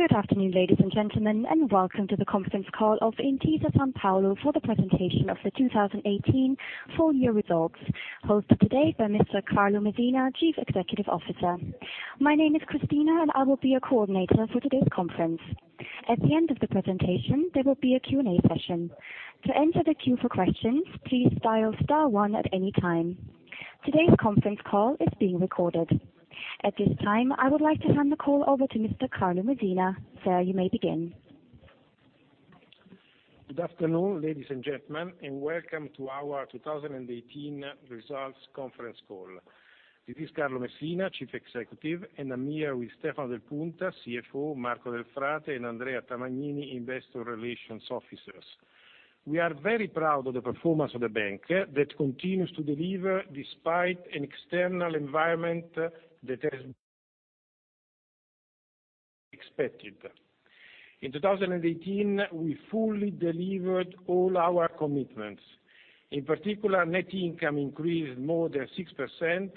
Good afternoon, ladies and gentlemen, and welcome to the conference call of Intesa Sanpaolo for the presentation of the 2018 full year results, hosted today by Mr. Carlo Messina, Chief Executive Officer. My name is Christina, and I will be your coordinator for today's conference. At the end of the presentation, there will be a Q&A session. To enter the queue for questions, please dial star one at any time. Today's conference call is being recorded. At this time, I would like to hand the call over to Mr. Carlo Messina. Sir, you may begin. Good afternoon, ladies and gentlemen, and welcome to our 2018 results conference call. This is Carlo Messina, Chief Executive, and I'm here with Stefano Del Punta, CFO, Marco Delfrate, and Andrea Tamagnini, Investor Relations Officers. We are very proud of the performance of the bank that continues to deliver despite an external environment that has expected. In 2018, we fully delivered all our commitments. In particular, net income increased more than 6%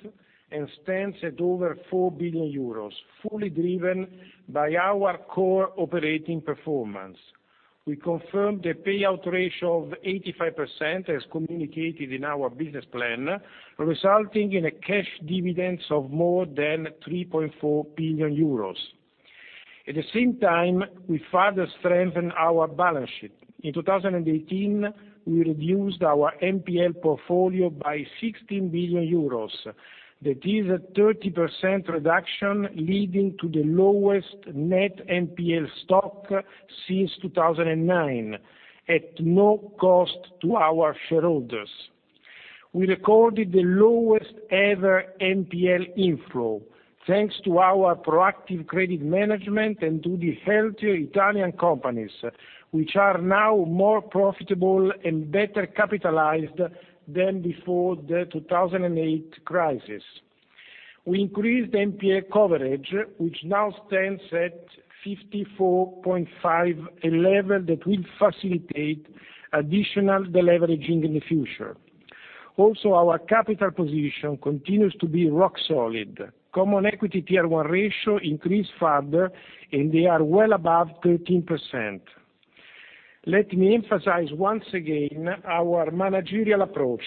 and stands at over 4 billion euros, fully driven by our core operating performance. We confirmed the payout ratio of 85%, as communicated in our business plan, resulting in cash dividends of more than 3.4 billion euros. At the same time, we further strengthened our balance sheet. In 2018, we reduced our NPL portfolio by 16 billion euros. That is a 30% reduction, leading to the lowest net NPL stock since 2009, at no cost to our shareholders. We recorded the lowest-ever NPL inflow, thanks to our proactive credit management and to the healthy Italian companies, which are now more profitable and better capitalized than before the 2008 crisis. We increased NPL coverage, which now stands at 54.5%, a level that will facilitate additional deleveraging in the future. Our capital position continues to be rock solid. Common Equity Tier 1 ratio increased further, and they are well above 13%. Let me emphasize once again our managerial approach,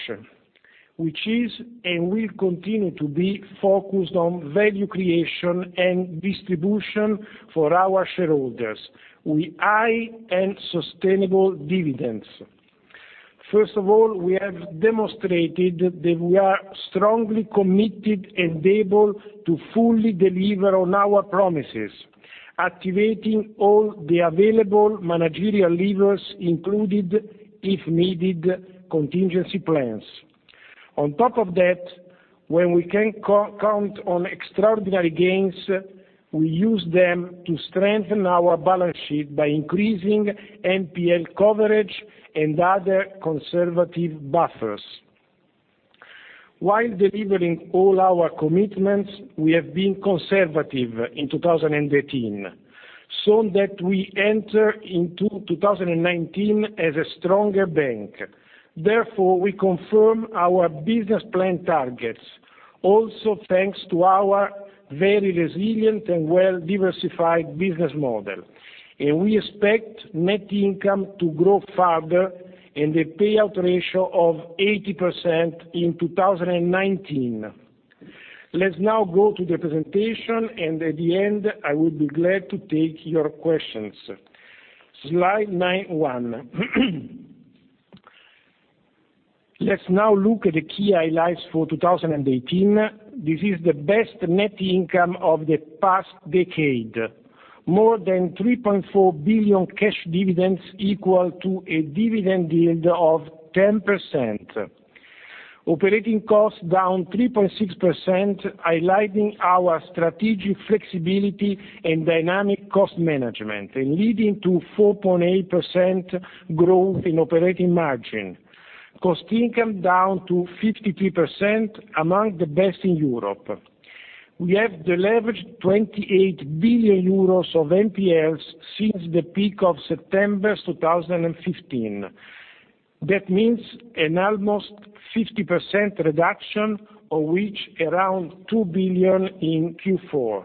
which is and will continue to be focused on value creation and distribution for our shareholders with high and sustainable dividends. First of all, we have demonstrated that we are strongly committed and able to fully deliver on our promises, activating all the available managerial levers, including, if needed, contingency plans. On top of that, when we can count on extraordinary gains, we use them to strengthen our balance sheet by increasing NPL coverage and other conservative buffers. While delivering all our commitments, we have been conservative in 2018, so that we enter into 2019 as a stronger bank. We confirm our business plan targets, also thanks to our very resilient and well-diversified business model, and we expect net income to grow further, and a payout ratio of 80% in 2019. Let's now go to the presentation, and at the end, I would be glad to take your questions. Slide number one. Let's now look at the key highlights for 2018. This is the best net income of the past decade. More than 3.4 billion cash dividends, equal to a dividend yield of 10%. Operating costs down 3.6%, highlighting our strategic flexibility and dynamic cost management, leading to 4.8% growth in operating margin. Cost income down to 53%, among the best in Europe. We have deleveraged 28 billion euros of NPLs since the peak of September 2015. That means an almost 50% reduction, of which around 2 billion in Q4.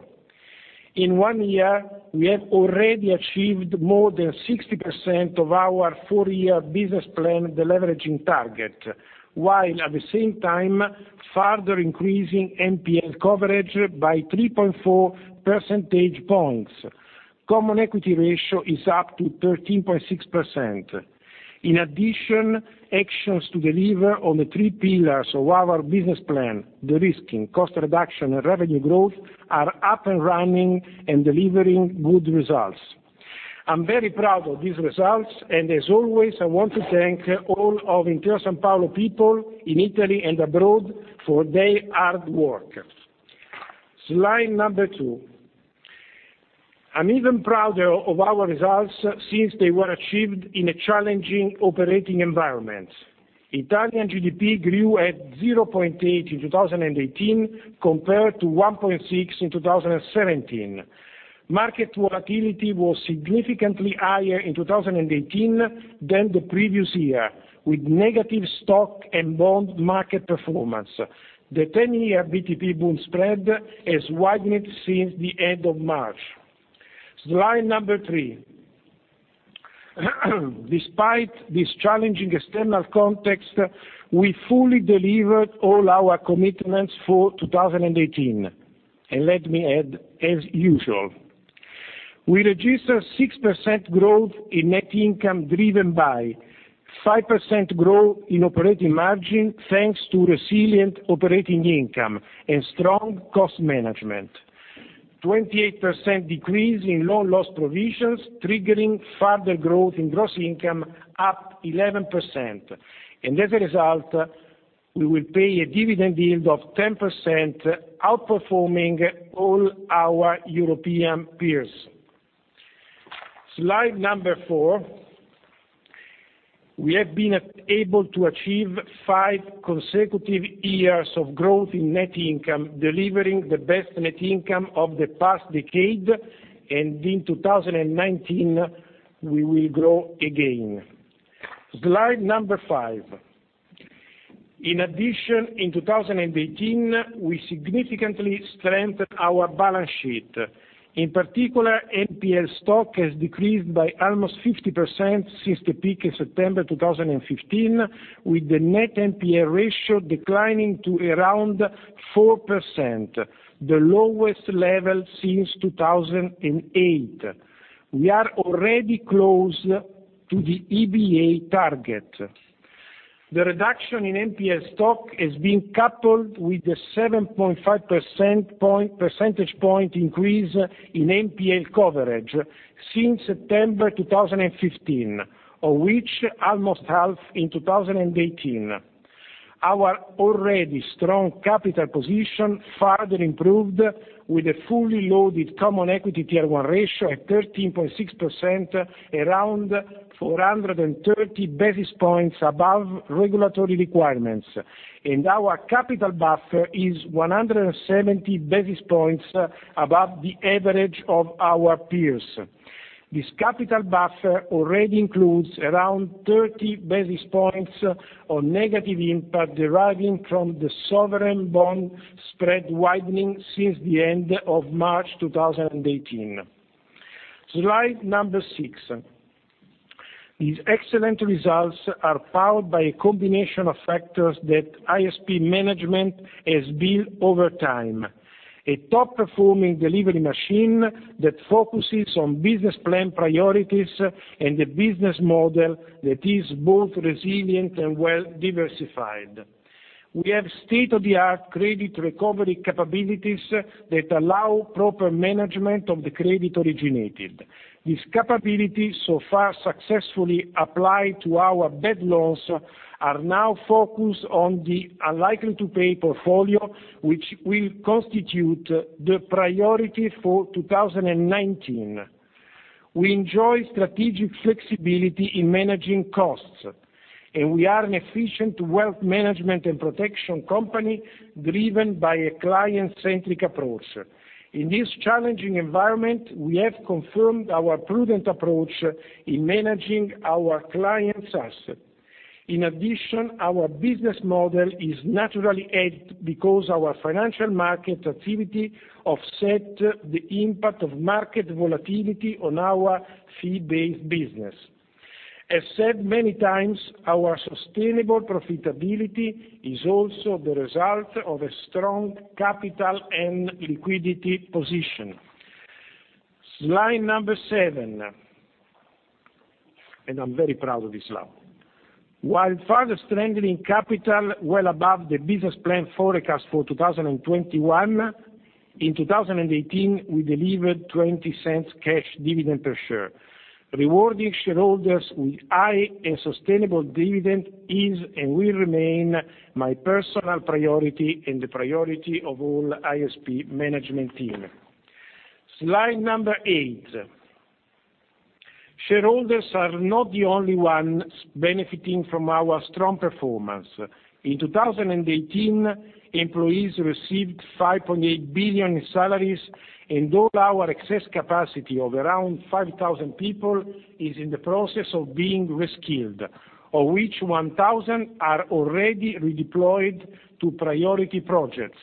In one year, we have already achieved more than 60% of our full-year business plan deleveraging target, while at the same time further increasing NPL coverage by 3.4 percentage points. Common Equity ratio is up to 13.6%. In addition, actions to deliver on the three pillars of our business plan, derisking, cost reduction, and revenue growth, are up and running and delivering good results. I'm very proud of these results, and as always, I want to thank all of Intesa Sanpaolo people in Italy and abroad for their hard work. Slide number two. I'm even prouder of our results since they were achieved in a challenging operating environment. Italian GDP grew at 0.8% in 2018 compared to 1.6% in 2017. Market volatility was significantly higher in 2018 than the previous year, with negative stock and bond market performance. The 10-year BTP bund spread has widened since the end of March. Slide number three. Despite this challenging external context, we fully delivered all our commitments for 2018, and let me add, as usual. We registered 6% growth in net income, driven by 5% growth in operating margin, thanks to resilient operating income and strong cost management, 28% decrease in loan loss provisions, triggering further growth in gross income up 11%. As a result, we will pay a dividend yield of 10%, outperforming all our European peers. Slide number four. We have been able to achieve five consecutive years of growth in net income, delivering the best net income of the past decade, and in 2019, we will grow again. Slide number five. In addition, in 2018, we significantly strengthened our balance sheet. In particular, NPL stock has decreased by almost 50% since the peak in September 2015, with the net NPL ratio declining to around 4%, the lowest level since 2008. We are already close to the EBA target. The reduction in NPL stock has been coupled with a 7.5% percentage point increase in NPL coverage since September 2015, of which almost half in 2018. Our already strong capital position further improved with a fully loaded Common Equity Tier 1 ratio at 13.6%, around 430 basis points above regulatory requirements, and our capital buffer is 170 basis points above the average of our peers. This capital buffer already includes around 30 basis points of negative impact deriving from the sovereign bond spread widening since the end of March 2018. Slide number six. These excellent results are powered by a combination of factors that ISP management has built over time, a top-performing delivery machine that focuses on business plan priorities and a business model that is both resilient and well-diversified. We have state-of-the-art credit recovery capabilities that allow proper management of the credit originated. These capabilities, so far successfully applied to our bad loans, are now focused on the unlikely-to-pay portfolio, which will constitute the priority for 2019. We enjoy strategic flexibility in managing costs, and we are an efficient wealth management and protection company driven by a client-centric approach. In this challenging environment, we have confirmed our prudent approach in managing our clients' assets. In addition, our business model is naturally helped because our financial market activity offset the impact of market volatility on our fee-based business. As said many times, our sustainable profitability is also the result of a strong capital and liquidity position. Slide number seven, and I'm very proud of this slide. While further strengthening capital well above the business plan forecast for 2021, in 2018, we delivered 0.20 cash dividend per share. Rewarding shareholders with high and sustainable dividend is and will remain my personal priority and the priority of all ISP management team. Slide number eight. Shareholders are not the only ones benefiting from our strong performance. In 2018, employees received 5.8 billion in salaries, and all our excess capacity of around 5,000 people is in the process of being reskilled, of which 1,000 are already redeployed to priority projects.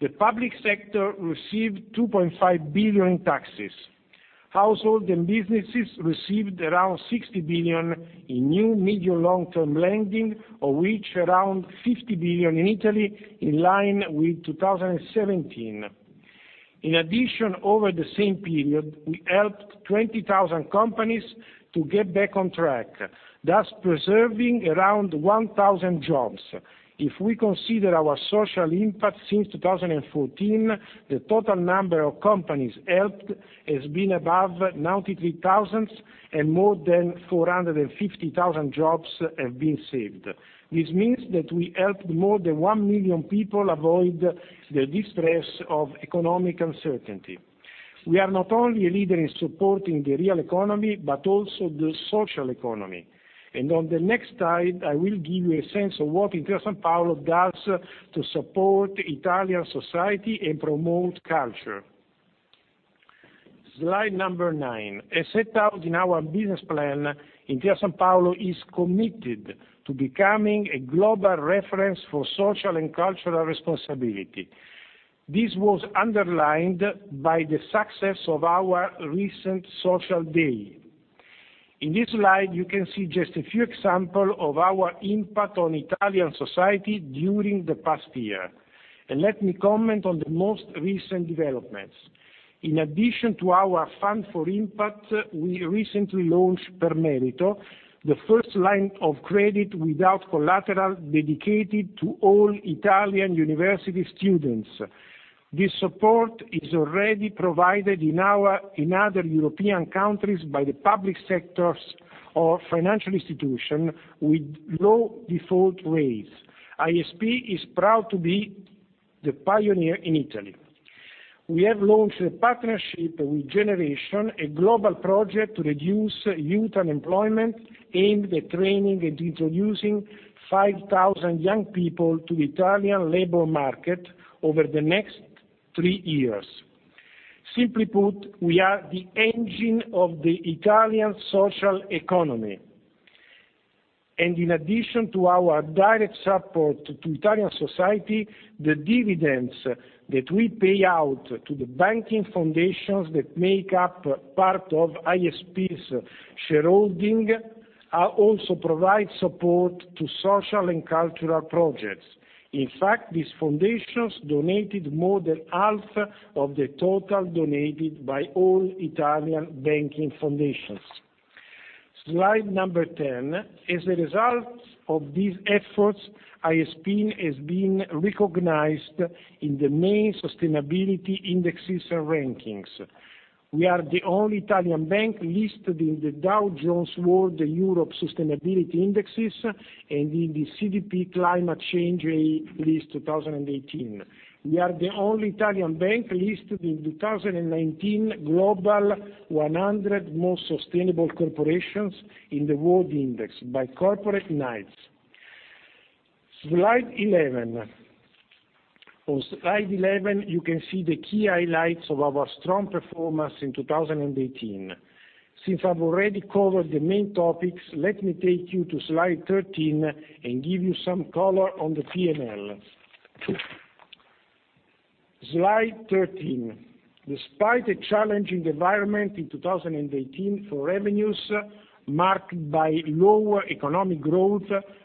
The public sector received 2.5 billion in taxes. Households and businesses received around 60 billion in new medium long-term lending, of which around 50 billion in Italy, in line with 2017. In addition, over the same period, we helped 20,000 companies to get back on track, thus preserving around 1,000 jobs. If we consider our social impact since 2014, the total number of companies helped has been above 93,000, and more than 450,000 jobs have been saved. This means that we helped more than 1 million people avoid the distress of economic uncertainty. We are not only a leader in supporting the real economy, but also the social economy. On the next slide, I will give you a sense of what Intesa Sanpaolo does to support Italian society and promote culture. Slide number nine. As set out in our business plan, Intesa Sanpaolo is committed to becoming a global reference for social and cultural responsibility. This was underlined by the success of our recent Social Day. In this slide, you can see just a few example of our impact on Italian society during the past year, and let me comment on the most recent developments. In addition to our Fund for Impact, we recently launched per Merito, the first line of credit without collateral dedicated to all Italian university students. This support is already provided in other European countries by the public sectors or financial institution with low default rates. ISP is proud to be the pioneer in Italy. We have launched a partnership with Generation, a global project to reduce youth unemployment, aimed at training and introducing 5,000 young people to Italian labor market over the next three years. Simply put, we are the engine of the Italian social economy. In addition to our direct support to Italian society, the dividends that we pay out to the banking foundations that make up part of ISP's shareholding, are also provide support to social and cultural projects. In fact, these foundations donated more than half of the total donated by all Italian banking foundations. Slide number ten. As a result of these efforts, ISP has been recognized in the main sustainability indexes and rankings. We are the only Italian bank listed in the Dow Jones World Europe Sustainability Indices, and in the CDP Climate Change A List 2018. We are the only Italian bank listed in 2019 Global 100 Most Sustainable Corporations in the World Index by Corporate Knights. Slide eleven. On slide eleven, you can see the key highlights of our strong performance in 2018. Since I've already covered the main topics, let me take you to slide 13 and give you some color on the P&L. Slide 13. Despite a challenging environment in 2018 for revenues marked by lower economic growth,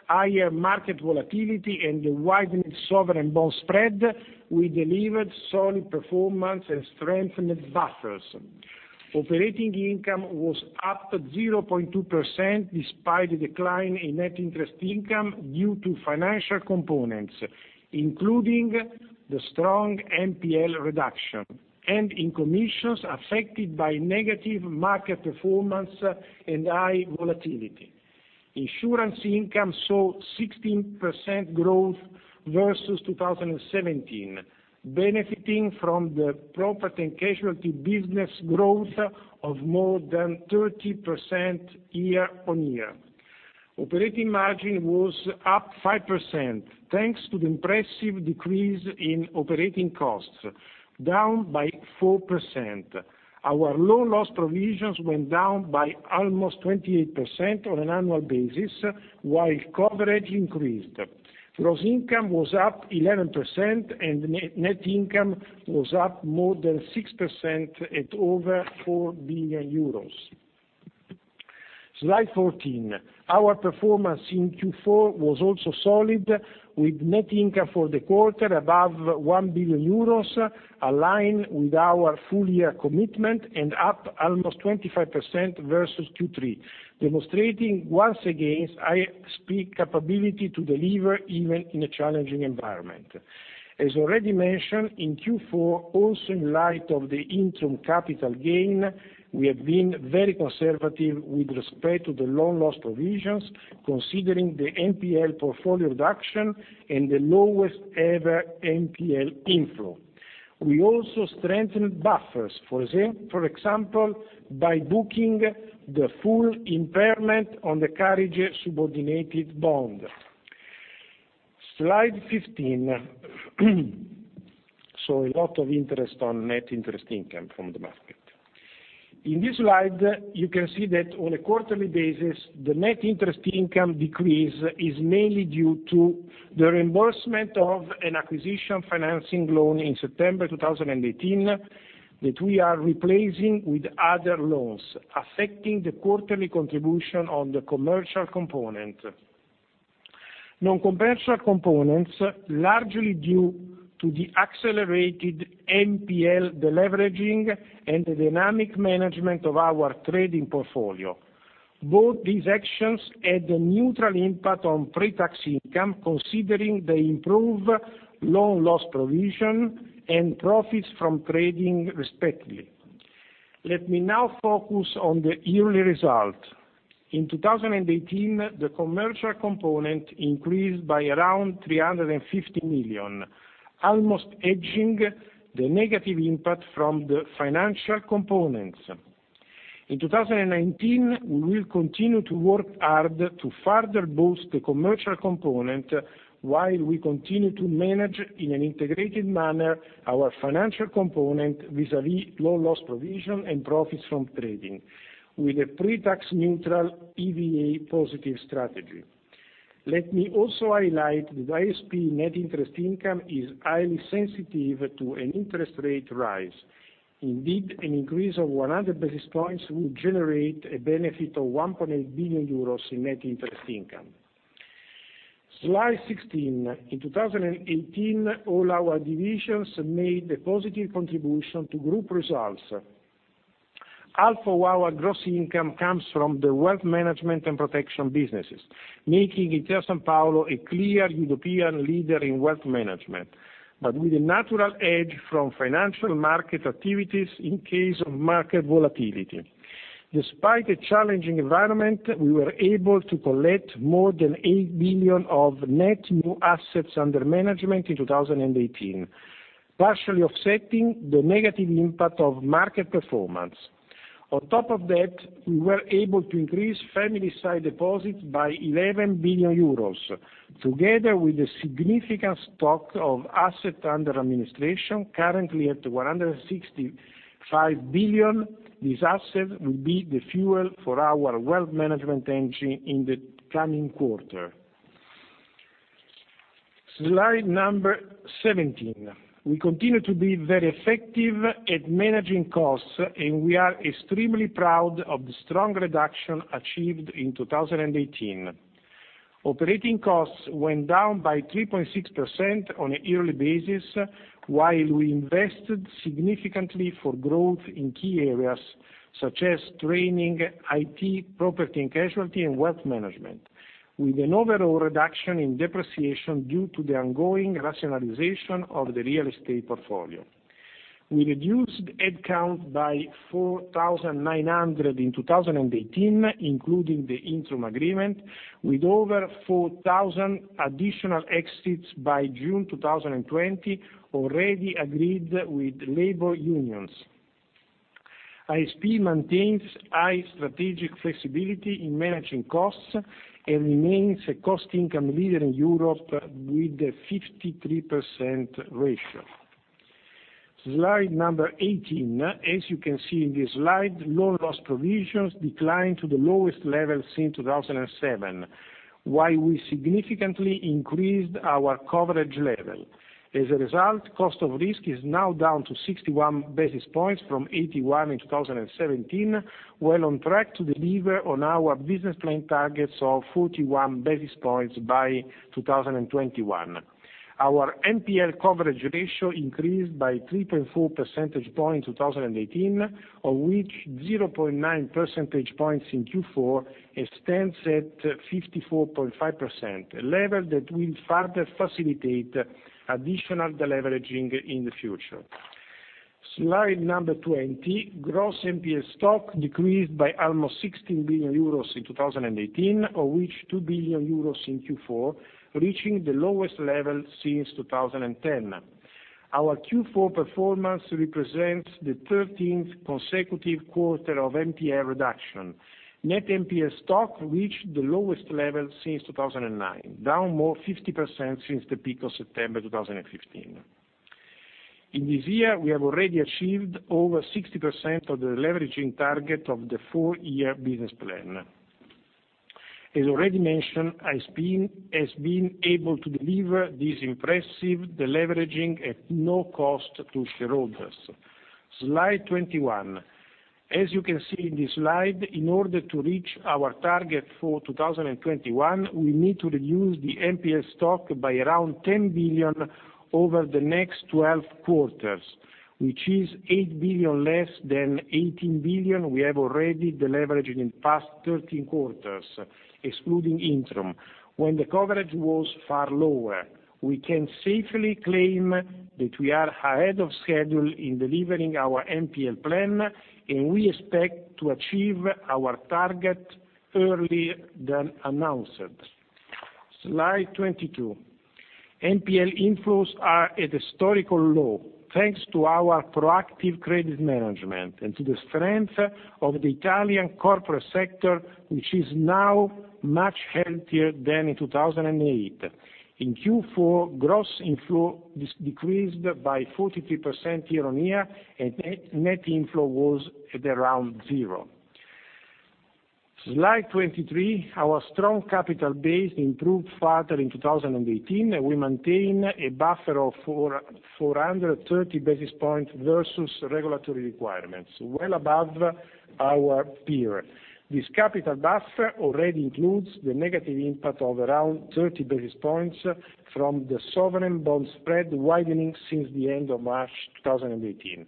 higher market volatility, and a widened sovereign bond spread, we delivered solid performance and strengthened buffers. Operating income was up 0.2% despite the decline in net interest income due to financial components, including the strong NPL reduction, and in commissions affected by negative market performance and high volatility. Insurance income saw 16% growth versus 2017, benefiting from the property and casualty business growth of more than 30% year-over-year. Operating margin was up 5%, thanks to the impressive decrease in operating costs, down by 4%. Our loan loss provisions went down by almost 28% on an annual basis, while coverage increased. Gross income was up 11%, and net income was up more than 6% at over 4 billion euros. Slide 14. Our performance in Q4 was also solid, with net income for the quarter above 1 billion euros, aligned with our full year commitment and up almost 25% versus Q3, demonstrating once again ISP capability to deliver even in a challenging environment. As already mentioned, in Q4, also in light of the interim capital gain, we have been very conservative with respect to the loan loss provisions, considering the NPL portfolio reduction and the lowest ever NPL inflow. We also strengthened buffers, for example, by booking the full impairment on the Carige subordinated bond. Slide 15. A lot of interest on net interest income from the market. In this slide, you can see that on a quarterly basis, the net interest income decrease is mainly due to the reimbursement of an acquisition financing loan in September 2018, that we are replacing with other loans, affecting the quarterly contribution on the commercial component. Non-commercial components, largely due to the accelerated NPL deleveraging and the dynamic management of our trading portfolio. Both these actions had a neutral impact on pre-tax income, considering they improve loan loss provision and profits from trading, respectively. Let me now focus on the yearly result. In 2018, the commercial component increased by around 350 million, almost hedging the negative impact from the financial components. In 2019, we will continue to work hard to further boost the commercial component, while we continue to manage, in an integrated manner, our financial component vis-à-vis loan loss provision and profits from trading, with a pre-tax neutral EVA positive strategy. Let me also highlight that ISP net interest income is highly sensitive to an interest rate rise. Indeed, an increase of 100 basis points would generate a benefit of 1.8 billion euros in net interest income. Slide 16. In 2018, all our divisions made a positive contribution to group results. Half of our gross income comes from the wealth management and protection businesses, making Intesa Sanpaolo a clear European leader in wealth management, but with a natural edge from financial market activities in case of market volatility. Despite a challenging environment, we were able to collect more than 8 billion of net new assets under management in 2018, partially offsetting the negative impact of market performance. On top of that, we were able to increase family side deposits by 11 billion euros, together with a significant stock of assets under administration, currently at 165 billion. These assets will be the fuel for our wealth management engine in the coming quarter. Slide 17. We continue to be very effective at managing costs. We are extremely proud of the strong reduction achieved in 2018. Operating costs went down by 3.6% on a yearly basis, while we invested significantly for growth in key areas such as training, IT, property and casualty, and wealth management, with an overall reduction in depreciation due to the ongoing rationalization of the real estate portfolio. We reduced head count by 4,900 in 2018, including the interim agreement, with over 4,000 additional exits by June 2020, already agreed with labor unions. ISP maintains high strategic flexibility in managing costs and remains a cost-income leader in Europe with a 53% ratio. Slide 18. As you can see in this slide, loan loss provisions declined to the lowest level since 2007, while we significantly increased our coverage level. As a result, cost of risk is now down to 61 basis points from 81 in 2017, well on track to deliver on our business plan targets of 41 basis points by 2021. Our NPL coverage ratio increased by 3.4 percentage points in 2018, of which 0.9 percentage points in Q4, and stands at 54.5%, a level that will further facilitate additional deleveraging in the future. Slide 20. Gross NPL stock decreased by almost 16 billion euros in 2018, of which 2 billion euros in Q4, reaching the lowest level since 2010. Our Q4 performance represents the 13th consecutive quarter of NPL reduction. Net NPL stock reached the lowest level since 2009, down more 50% since the peak of September 2015. In this year, we have already achieved over 60% of the leveraging target of the four-year business plan. As already mentioned, ISP has been able to deliver this impressive deleveraging at no cost to shareholders. Slide 21. As you can see in this slide, in order to reach our target for 2021, we need to reduce the NPL stock by around 10 billion over the next 12 quarters, which is 8 billion less than 18 billion we have already deleveraged in the past 13 quarters, excluding interim, when the coverage was far lower. We can safely claim that we are ahead of schedule in delivering our NPL plan. We expect to achieve our target earlier than announced. Slide 22. NPL inflows are at a historical low, thanks to our proactive credit management and to the strength of the Italian corporate sector, which is now much healthier than in 2008. In Q4, gross inflow decreased by 43% year-on-year. Net inflow was at around zero. Slide 23. Our strong capital base improved further in 2018. We maintain a buffer of 430 basis points versus regulatory requirements, well above our peer. This capital buffer already includes the negative impact of around 30 basis points from the sovereign bond spread widening since the end of March 2018.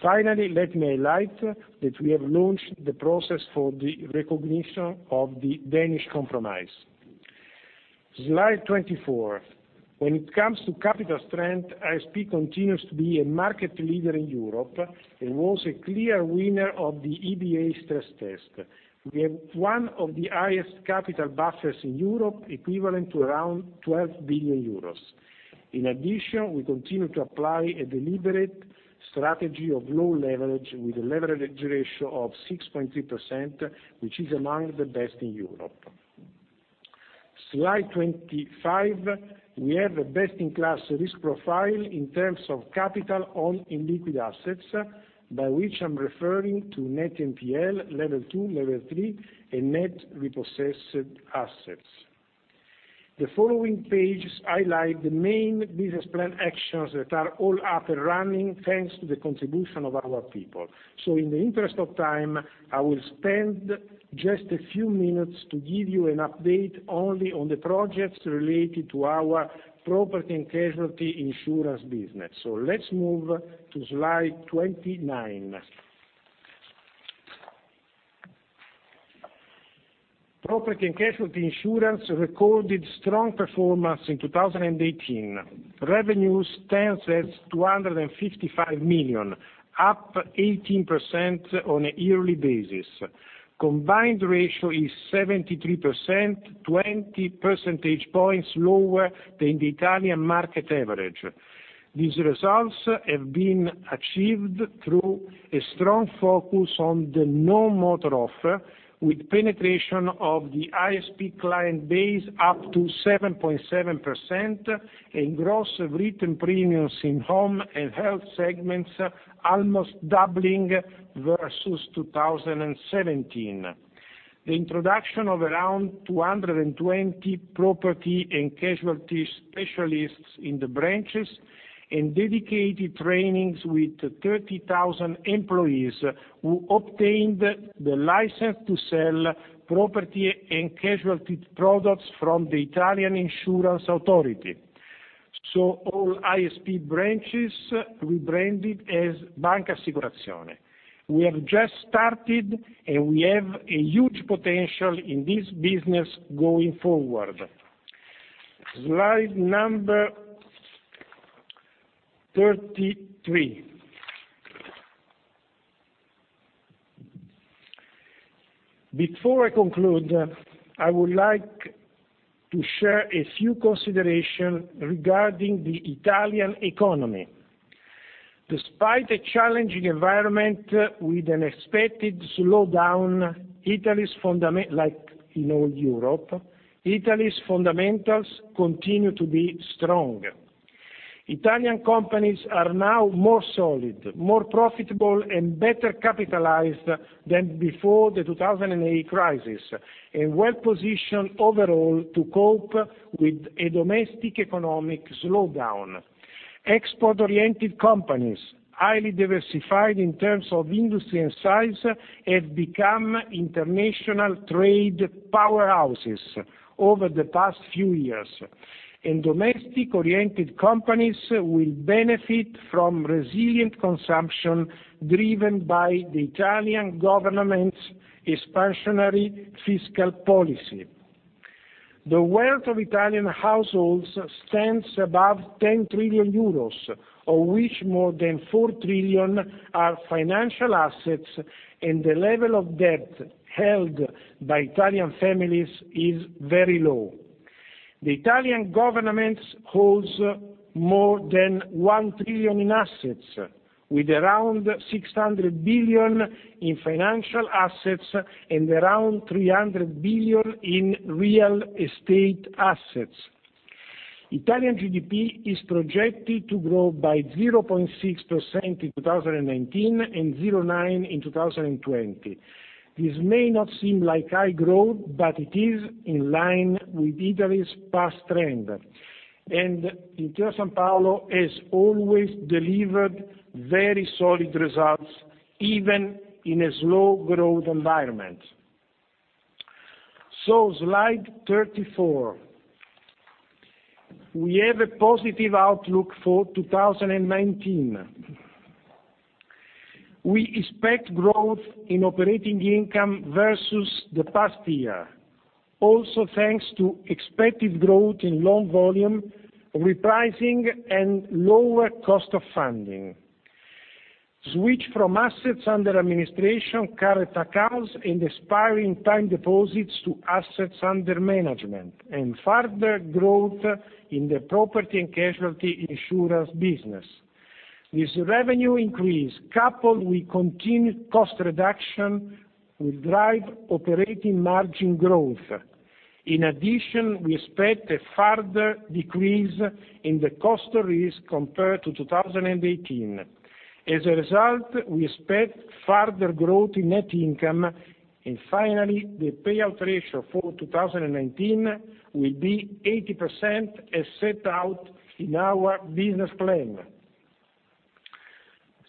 Finally, let me highlight that we have launched the process for the recognition of the Danish Compromise. Slide 24. When it comes to capital strength, ISP continues to be a market leader in Europe and was a clear winner of the EBA's stress test. We have one of the highest capital buffers in Europe, equivalent to around 12 billion euros. In addition, we continue to apply a deliberate strategy of low leverage with a leverage ratio of 6.3%, which is among the best in Europe. Slide 25. We have a best-in-class risk profile in terms of capital on illiquid assets, by which I'm referring to net NPL, level 2, level 3, and net repossessed assets. The following pages highlight the main business plan actions that are all up and running thanks to the contribution of our people. In the interest of time, I will spend just a few minutes to give you an update only on the projects related to our property and casualty insurance business. Let's move to slide 29. Property and casualty insurance recorded strong performance in 2018. Revenues stands at 255 million, up 18% on a yearly basis. Combined ratio is 73%, 20 percentage points lower than the Italian market average. These results have been achieved through a strong focus on the non-motor offer, with penetration of the ISP client base up to 7.7% and gross written premiums in home and health segments almost doubling versus 2017. The introduction of around 220 property and casualty specialists in the branches and dedicated trainings with 30,000 employees who obtained the license to sell property and casualty products from the Italian Insurance Authority. All ISP branches rebranded as Banca Assicurazione. We have just started, and we have a huge potential in this business going forward. Slide number 33. Before I conclude, I would like to share a few considerations regarding the Italian economy. Despite a challenging environment with an expected slowdown, like in all Europe, Italy's fundamentals continue to be strong. Italian companies are now more solid, more profitable, and better capitalized than before the 2008 crisis and well-positioned overall to cope with a domestic economic slowdown. Export-oriented companies, highly diversified in terms of industry and size, have become international trade powerhouses over the past few years, and domestic-oriented companies will benefit from resilient consumption driven by the Italian government's expansionary fiscal policy. The wealth of Italian households stands above 10 trillion euros, of which more than 4 trillion are financial assets, and the level of debt held by Italian families is very low. The Italian government holds more than 1 trillion in assets, with around 600 billion in financial assets and around 300 billion in real estate assets. Italian GDP is projected to grow by 0.6% in 2019 and 0.9% in 2020. This may not seem like high growth, but it is in line with Italy's past trend. Intesa Sanpaolo has always delivered very solid results, even in a slow-growth environment. Slide 34. We have a positive outlook for 2019. Also thanks to expected growth in loan volume, repricing, and lower cost of funding. Switch from assets under administration, current accounts, and expiring time deposits to assets under management, and further growth in the property and casualty insurance business. This revenue increase, coupled with continued cost reduction, will drive operating margin growth. In addition, we expect a further decrease in the cost of risk compared to 2018. As a result, we expect further growth in net income. Finally, the payout ratio for 2019 will be 80%, as set out in our business plan.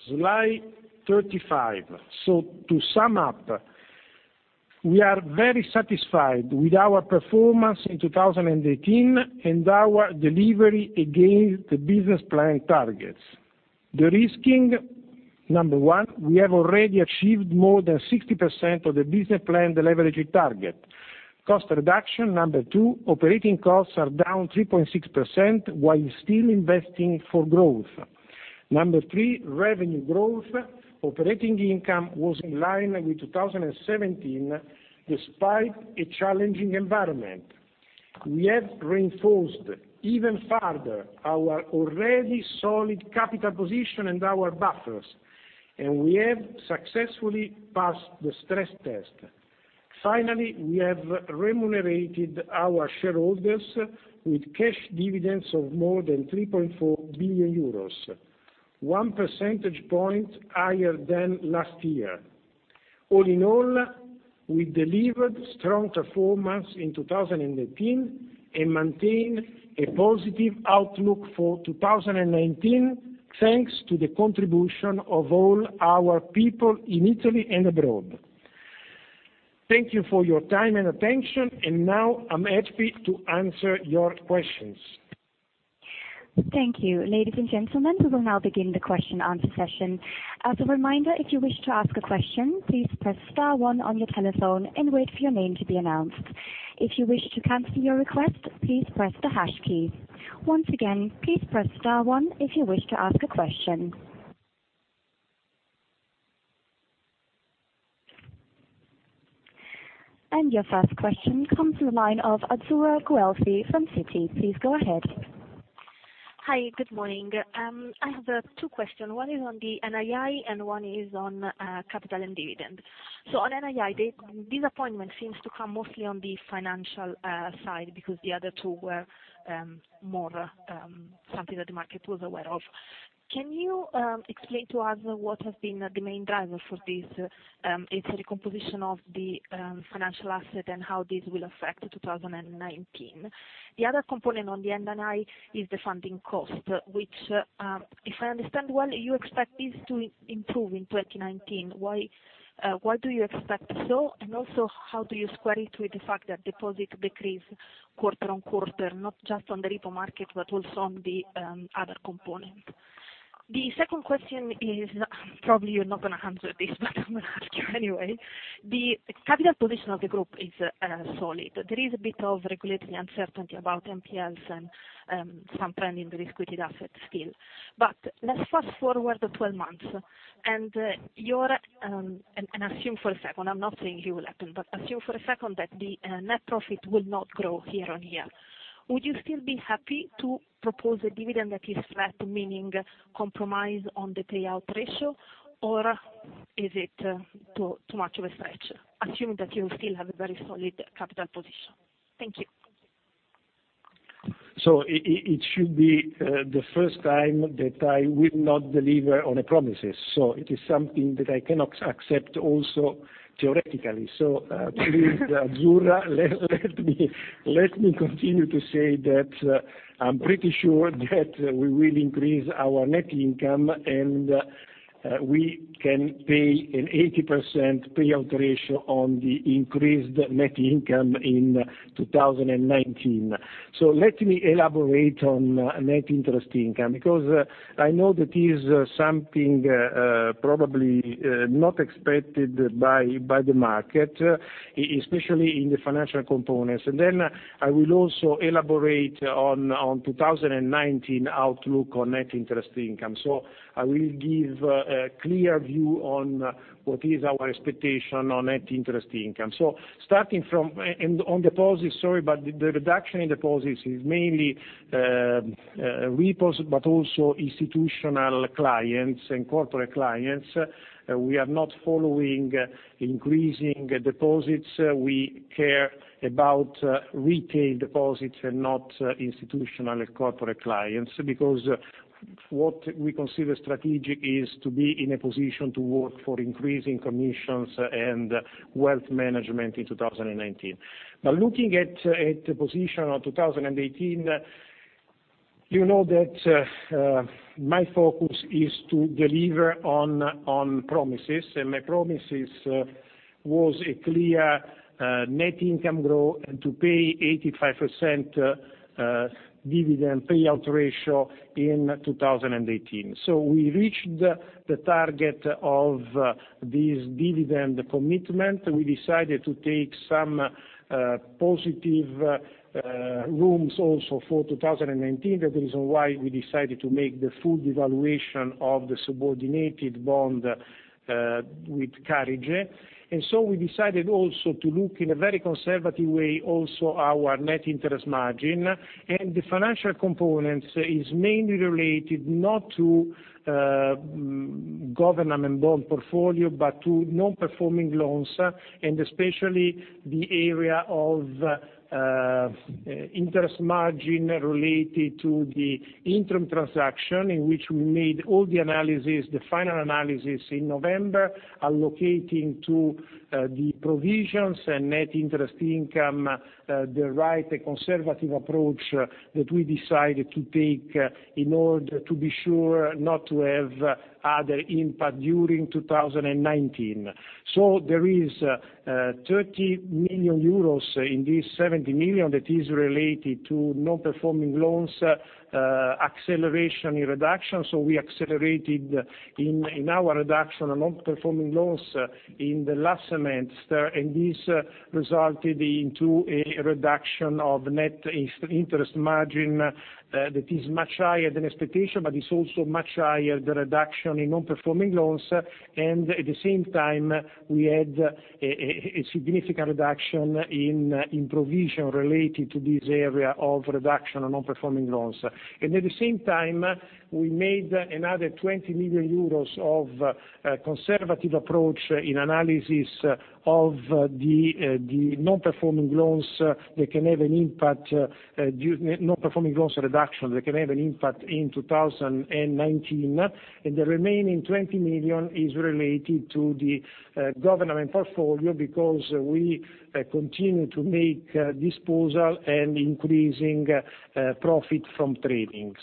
Slide 35. To sum up, we are very satisfied with our performance in 2018 and our delivery against the business plan targets. Derisking, number one, we have already achieved more than 60% of the business plan deleveraging target. Cost reduction, number two, operating costs are down 3.6% while still investing for growth. Number three, revenue growth. Operating income was in line with 2017, despite a challenging environment. We have reinforced even further our already solid capital position and our buffers, and we have successfully passed the stress test. Finally, we have remunerated our shareholders with cash dividends of more than 3.4 billion euros, one percentage point higher than last year. All in all, we delivered strong performance in 2018 and maintain a positive outlook for 2019, thanks to the contribution of all our people in Italy and abroad. Thank you for your time and attention. Now I'm happy to answer your questions. Thank you. Ladies and gentlemen, we will now begin the question answer session. As a reminder, if you wish to ask a question, please press star one on your telephone and wait for your name to be announced. If you wish to cancel your request, please press the hash key. Once again, please press star one if you wish to ask a question. Your first question comes from the line of Azzurra Guelfi from Citi. Please go ahead. Hi, good morning. I have two question. One is on the NII, and one is on capital and dividend. On NII, this disappointment seems to come mostly on the financial side because the other two were more something that the market was aware of. Can you explain to us what has been the main driver for this internal composition of the financial asset, and how this will affect 2019? The other component on the NII is the funding cost, which, if I understand well, you expect this to improve in 2019. Why do you expect so, and also how do you square it with the fact that deposit decrease quarter-on-quarter, not just on the repo market, but also on the other component? The second question is, probably you're not going to answer this, but I'm going to ask you anyway, the capital position of the group is solid. There is a bit of regulatory uncertainty about NPLs and some trend in the liquidity asset still. Let's fast-forward to 12 months, and assume for a second, I'm not saying it will happen, but assume for a second that the net profit will not grow year-on-year. Would you still be happy to propose a dividend that is flat, meaning compromise on the payout ratio? Or is it too much of a stretch, assuming that you still have a very solid capital position? Thank you. It should be the first time that I will not deliver on a promises. It is something that I cannot accept also theoretically. Please, Azzurra, let me continue to say that I'm pretty sure that we will increase our net income, and we can pay an 80% payout ratio on the increased net income in 2019. Let me elaborate on net interest income, because I know that is something probably not expected by the market, especially in the financial components. I will also elaborate on 2019 outlook on net interest income. I will give a clear view on what is our expectation on net interest income. Starting from On deposits, sorry, the reduction in deposits is mainly repos, also institutional clients and corporate clients. We are not following increasing deposits. We care about retail deposits and not institutional corporate clients, because what we consider strategic is to be in a position to work for increasing commissions and wealth management in 2019. Looking at the position of 2018, you know that my focus is to deliver on promises, and my promises was a clear net income growth and to pay 85% dividend payout ratio in 2018. We reached the target of this dividend commitment. We decided to take some positive rooms also for 2019. The reason why we decided to make the full devaluation of the subordinated bond with Carige. We decided also to look in a very conservative way also our net interest margin. The financial component is mainly related not to government bond portfolio, but to non-performing loans, and especially the area of interest margin related to the Intrum transaction in which we made all the analysis, the final analysis in November, allocating to the provisions and net interest income, the right conservative approach that we decided to take in order to be sure not to have other impact during 2019. There is 30 million euros in this 70 million that is related to non-performing loans acceleration in reduction. We accelerated in our reduction on non-performing loans in the last semester, and this resulted into a reduction of net interest margin that is much higher than expectation, but it's also much higher the reduction in non-performing loans. At the same time, we had a significant reduction in provision related to this area of reduction on non-performing loans. At the same time, we made another 20 million euros of conservative approach in analysis of the non-performing loans reduction that can have an impact in 2019. The remaining 20 million is related to the government portfolio because we continue to make disposal and increasing profit from tradings.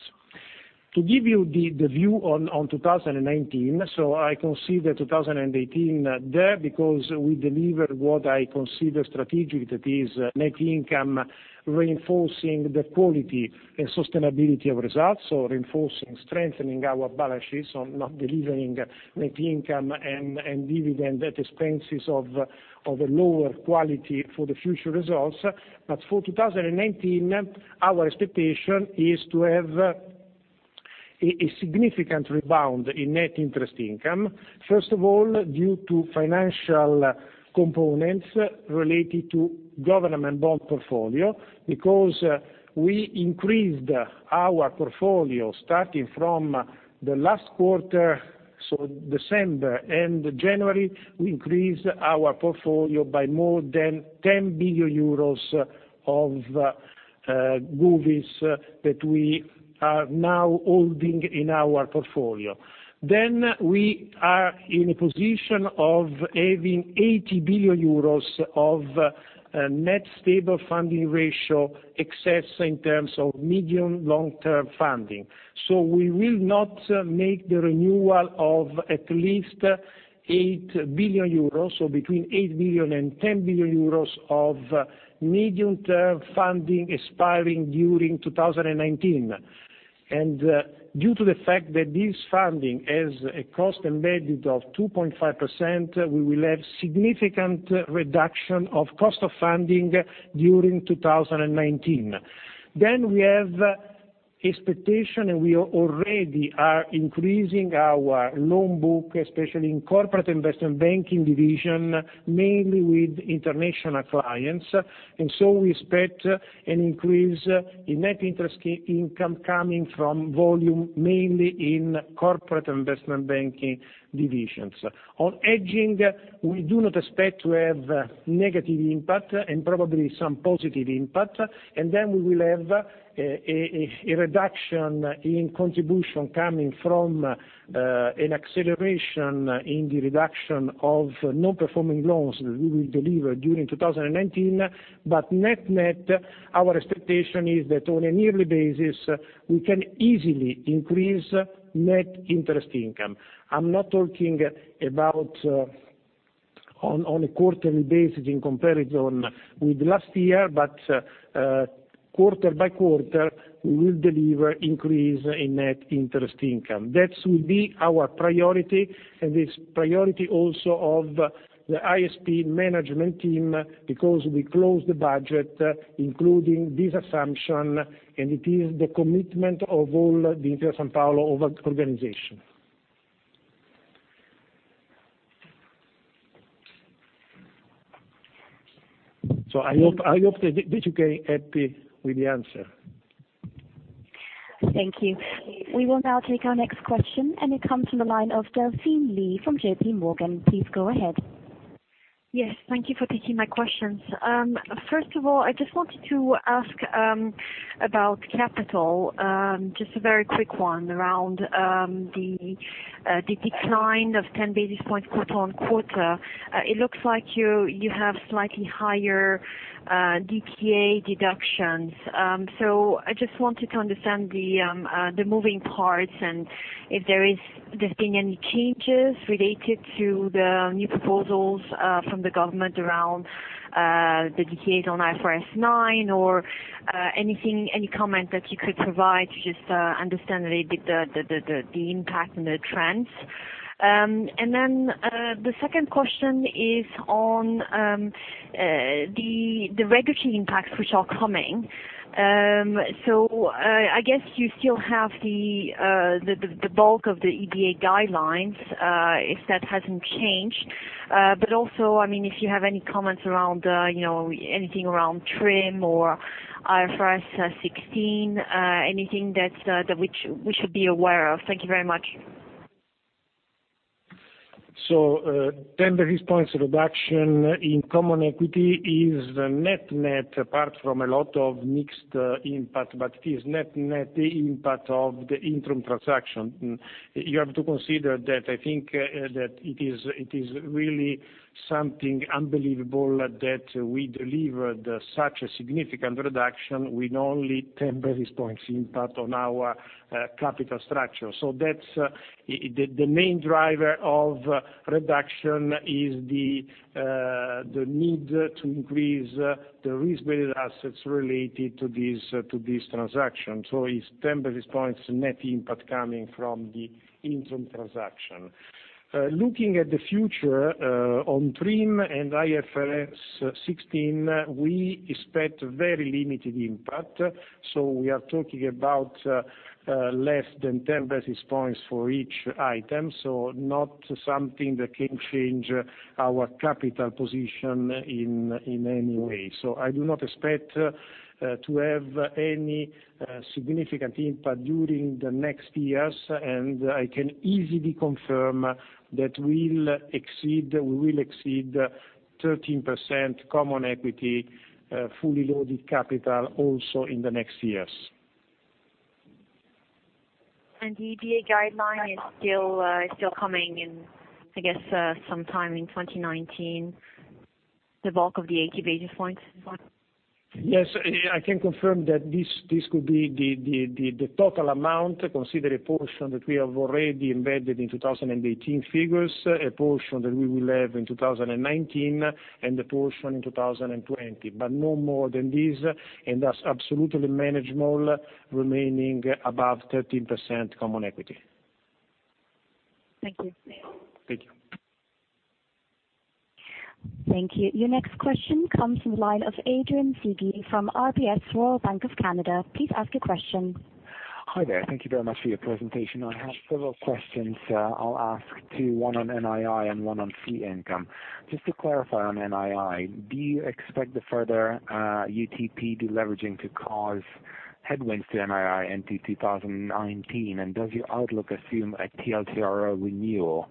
To give you the view on 2019. I consider 2018 there, because we delivered what I consider strategic, that is Net Income, reinforcing the quality and sustainability of results. Reinforcing, strengthening our balance sheets, not delivering Net Income and dividend at expenses of lower quality for the future results. For 2019, our expectation is to have a significant rebound in Net Interest Income. First of all, due to financial components related to government bond portfolio. We increased our portfolio starting from the last quarter, December and January, we increased our portfolio by more than 10 billion euros of govies that we are now holding in our portfolio. We are in a position of having 80 billion euros of Net Stable Funding Ratio excess in terms of medium long-term funding. We will not make the renewal of at least 8 billion euros, between 8 billion and 10 billion euros of medium-term funding expiring during 2019. Due to the fact that this funding has a cost embedded of 2.5%, we will have significant reduction of cost of funding during 2019. We have expectation, and we already are increasing our loan book, especially in Corporate Investment Banking division, mainly with international clients. We expect an increase in Net Interest Income coming from volume, mainly in Corporate Investment Banking divisions. On aging, we do not expect to have negative impact and probably some positive impact. We will have a reduction in contribution coming from an acceleration in the reduction of non-performing loans we will deliver during 2019. Net-net, our expectation is that on a yearly basis, we can easily increase Net Interest Income. I'm not talking about on a quarterly basis in comparison with last year, but quarter by quarter, we will deliver increase in Net Interest Income. That will be our priority and is priority also of the ISP management team, because we closed the budget, including this assumption, and it is the commitment of all the Intesa Sanpaolo organization. I hope that you get happy with the answer. Thank you. We will now take our next question, and it comes from the line of Delphine Lee from JPMorgan Chase & Co. Please go ahead. Yes, thank you for taking my questions. First of all, I just wanted to ask about capital, just a very quick one around the decline of 10 basis points quarter-over-quarter. It looks like you have slightly higher DTA deductions. I just wanted to understand the moving parts and if there has been any changes related to the new proposals from the government around the DTAs on IFRS 9 or any comment that you could provide to just understand a little bit the impact and the trends. The second question is on the regulatory impacts which are coming. I guess you still have the bulk of the EBA guidelines, if that hasn't changed. Also, if you have any comments around anything around TRIM or IFRS 16, anything that we should be aware of. Thank you very much. 10 basis points reduction in Common Equity is net-net, apart from a lot of mixed impact, but it is net-net impact of the Intrum transaction. You have to consider that I think that it is really something unbelievable that we delivered such a significant reduction with only 10 basis points impact on our capital structure. The main driver of reduction is the need to increase the risk-weighted assets related to this transaction. It's 10 basis points net impact coming from the Intrum transaction. Looking at the future, on TRIM and IFRS 16, we expect very limited impact. We are talking about less than 10 basis points for each item. Not something that can change our capital position in any way. I do not expect to have any significant impact during the next years, and I can easily confirm that we will exceed 13% Common Equity, fully loaded capital, also in the next years. The EBA guideline is still coming in, I guess, sometime in 2019. The bulk of the 80 basis points as well? Yes, I can confirm that this could be the total amount. Consider a portion that we have already embedded in 2018 figures, a portion that we will have in 2019, and the portion in 2020, but no more than this, and that's absolutely manageable, remaining above 13% common equity. Thank you. Thank you. Thank you. Your next question comes from the line of Adrian Cighi from RBC Royal Bank of Canada. Please ask your question. Hi there. Thank you very much for your presentation. I have several questions I will ask two, one on NII and one on fee income. Just to clarify on NII, do you expect the further UTP deleveraging to cause headwinds to NII into 2019? Does your outlook assume a TLTRO renewal,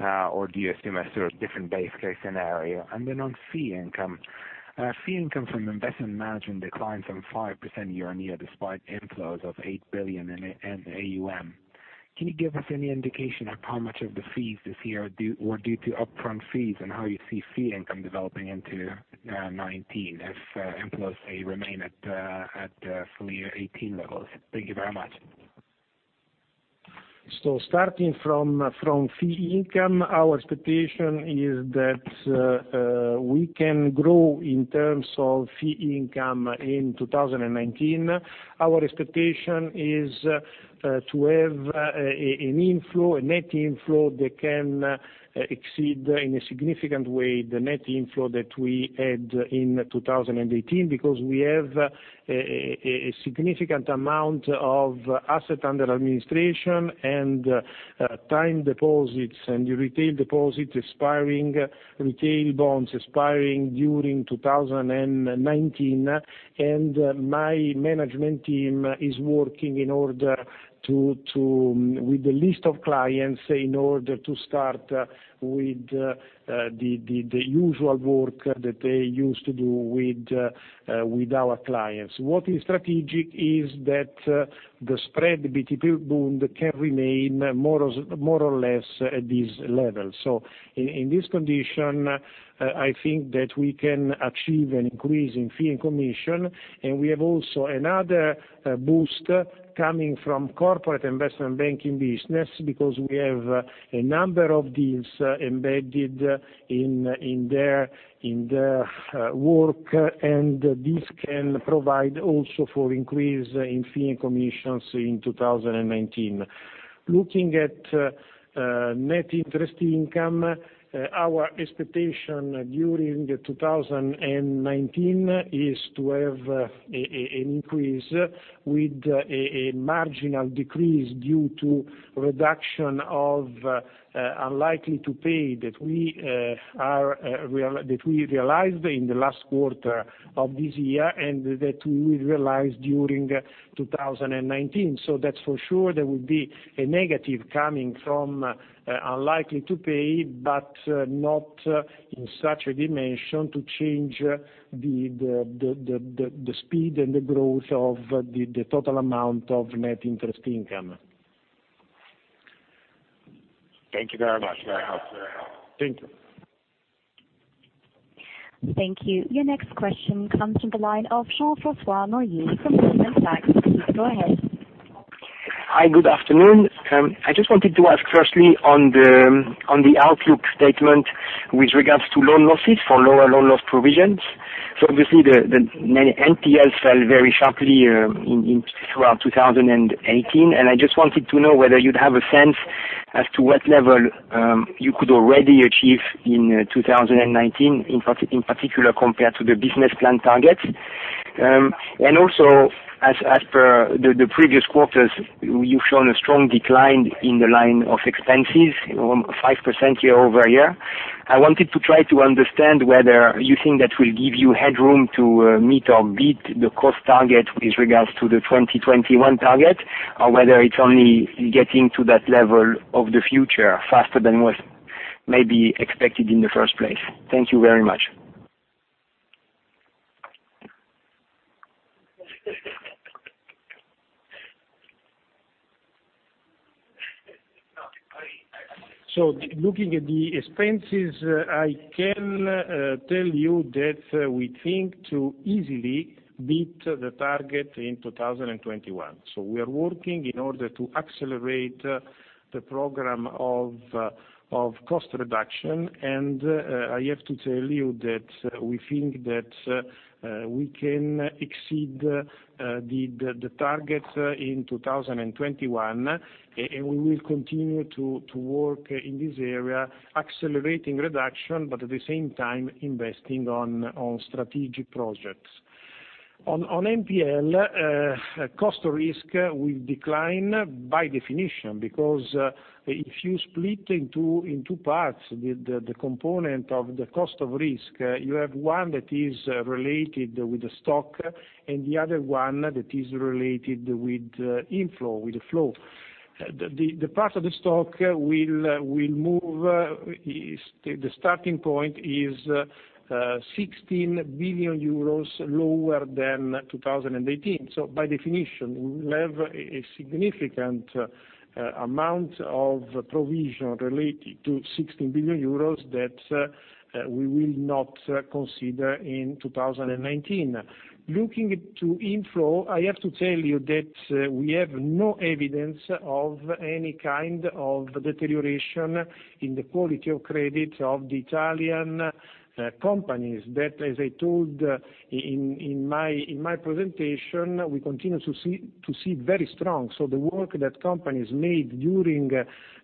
or do you assume a sort of different base case scenario? On fee income. Fee income from investment management declined some 5% year-on-year, despite inflows of 8 billion in AUM. Can you give us any indication of how much of the fees this year were due to upfront fees, and how you see fee income developing into 2019, if inflows, say, remain at full year 2018 levels? Thank you very much. Starting from fee income, our expectation is that we can grow in terms of fee income in 2019. Our expectation is to have a net inflow that can exceed, in a significant way, the net inflow that we had in 2018, because we have a significant amount of asset under administration, and time deposits, and retail deposits expiring, retail bonds expiring during 2019. My management team is working with the list of clients in order to start with the usual work that they used to do with our clients. What is strategic is that the spread BTP bond can remain more or less at this level. In this condition, I think that we can achieve an increase in fee and commission. We have also another boost coming from corporate investment banking business, because we have a number of deals embedded in their work, and this can provide also for increase in fee and commissions in 2019. Looking at net interest income, our expectation during 2019 is to have an increase with a marginal decrease due to reduction of unlikely to pay that we realized in the last quarter of this year, and that we will realize during 2019. That is for sure there will be a negative coming from unlikely to pay, but not in such a dimension to change the speed and the growth of the total amount of net interest income. Thank you very much. Very helpful. Thank you. Thank you. Your next question comes from the line of Jean-Francois Neuez from Goldman Sachs Group, Inc. Please go ahead. Hi, good afternoon. I just wanted to ask firstly on the outlook statement with regards to loan losses for lower loan loss provisions. Obviously the NPLs fell very sharply throughout 2018, I just wanted to know whether you'd have a sense as to what level you could already achieve in 2019, in particular compared to the business plan target. As per the previous quarters, you've shown a strong decline in the line of expenses, 5% year-over-year. I wanted to try to understand whether you think that will give you headroom to meet or beat the cost target with regards to the 2021 target, or whether it's only getting to that level of the future faster than was maybe expected in the first place. Thank you very much. Looking at the expenses, I can tell you that we think to easily beat the target in 2021. We are working in order to accelerate the program of cost reduction, I have to tell you that we think that we can exceed the target in 2021. We will continue to work in this area, accelerating reduction, but at the same time investing on strategic projects. On NPL, cost of risk will decline by definition, because if you split in two parts, the component of the cost of risk, you have one that is related with the stock and the other one that is related with inflow, with the flow. The part of the stock will move. The starting point is 16 billion euros lower than 2018. By definition, we will have a significant amount of provision related to 16 billion euros that we will not consider in 2019. Looking to inflow, I have to tell you that we have no evidence of any kind of deterioration in the quality of credit of the Italian companies. That, as I told in my presentation, we continue to see very strong. The work that companies made during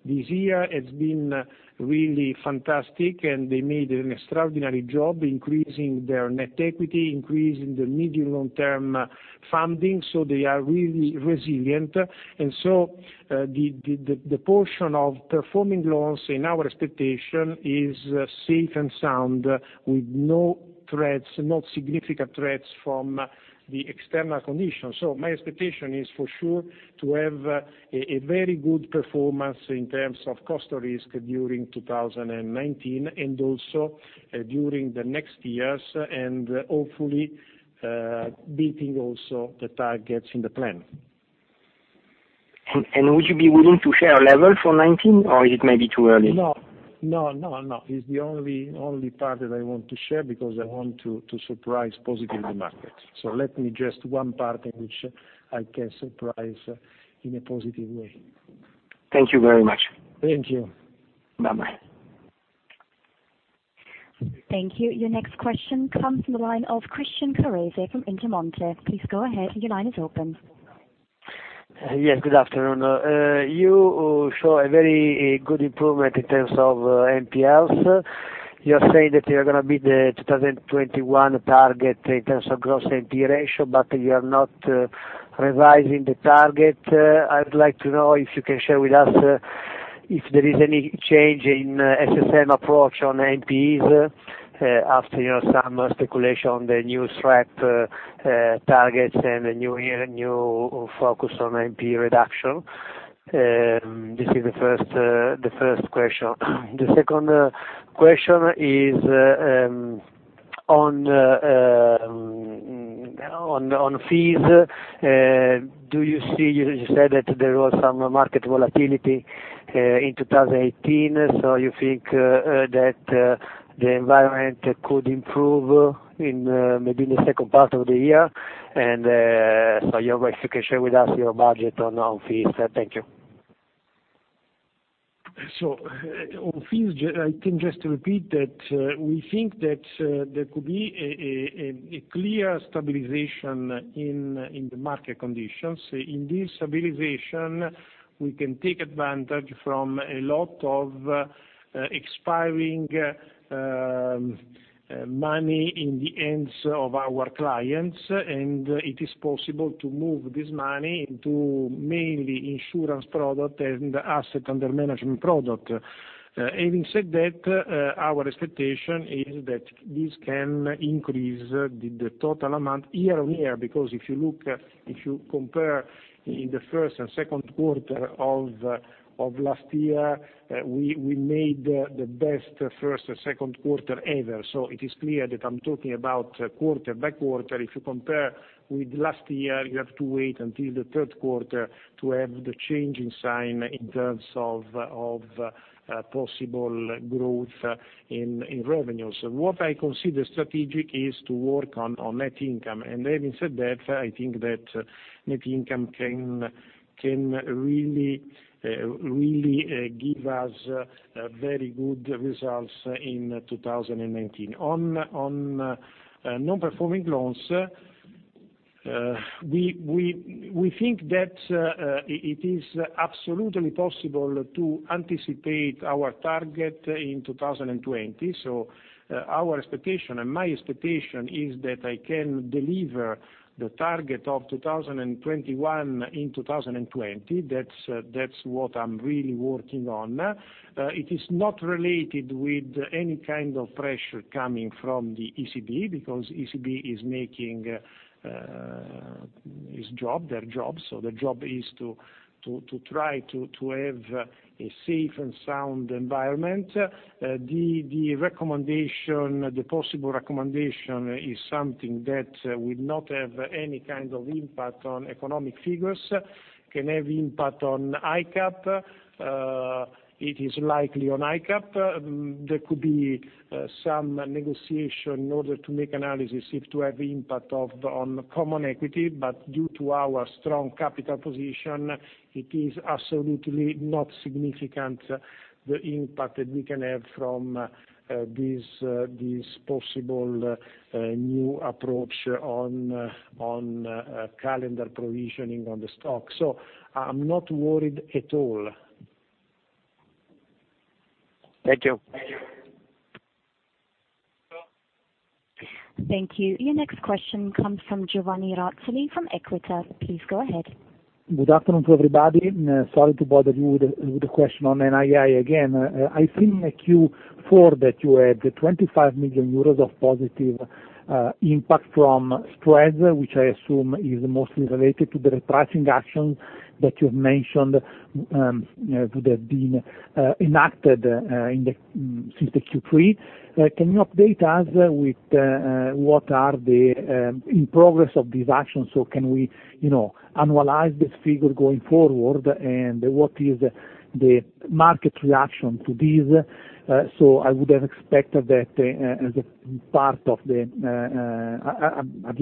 this year has been really fantastic, and they made an extraordinary job increasing their net equity, increasing the medium long-term funding, so they are really resilient. The portion of performing loans in our expectation is safe and sound with no significant threats from the external conditions. My expectation is for sure to have a very good performance in terms of cost risk during 2019, and also during the next years, and hopefully, beating also the targets in the plan. Would you be willing to share a level for 2019, or is it maybe too early? No. It's the only part that I want to share because I want to surprise positively the market. Let me just one part in which I can surprise in a positive way. Thank you very much. Thank you. Bye-bye. Thank you. Your next question comes from the line of Christian Carrese from Intermonte. Please go ahead. Your line is open. Yes. Good afternoon. You show a very good improvement in terms of NPLs. You are saying that you are going to be the 2021 target in terms of gross NP ratio, but you are not revising the target. I would like to know if you can share with us if there is any change in SSM approach on NPs, after some speculation on the new SREP targets and the new focus on NP reduction. This is the first question. The second question is on fees. You said that there was some market volatility in 2018, you think that the environment could improve maybe in the second part of the year? If you can share with us your budget on fees. Thank you. On fees, I can just repeat that we think that there could be a clear stabilization in the market conditions. In this stabilization, we can take advantage from a lot of expiring money in the hands of our clients, and it is possible to move this money into mainly insurance product and asset under management product. Having said that, our expectation is that this can increase the total amount year-over-year. If you compare in the first and second quarter of last year, we made the best first second quarter ever. It is clear that I'm talking about quarter by quarter. If you compare with last year, you have to wait until the third quarter to have the change in sign in terms of possible growth in revenues. What I consider strategic is to work on net income. Having said that, I think that net income can really give us very good results in 2019. On non-performing loans, we think that it is absolutely possible to anticipate our target in 2020. Our expectation, and my expectation, is that I can deliver the target of 2021 in 2020. That's what I'm really working on. It is not related with any kind of pressure coming from the ECB, because ECB is making their job. The job is to try to have a safe and sound environment. The possible recommendation is something that will not have any kind of impact on economic figures, can have impact on ICAAP. It is likely on ICAAP. There could be some negotiation in order to make analysis if to have impact on common equity. Due to our strong capital position, it is absolutely not significant, the impact that we can have from this possible new approach on calendar provisioning on the stock. I'm not worried at all. Thank you. Thank you. Your next question comes from Giovanni Razzoli from EQUITA. Please go ahead. Good afternoon to everybody. Sorry to bother you with a question on NII again. I think in Q4 that you had the 25 million euros of positive impact from spreads, which I assume is mostly related to the repricing action that you've mentioned that have been enacted since the Q3. Can you update us with what are the in progress of these actions? Can we annualize this figure going forward, and what is the market reaction to this? I would have expected that as a part of at the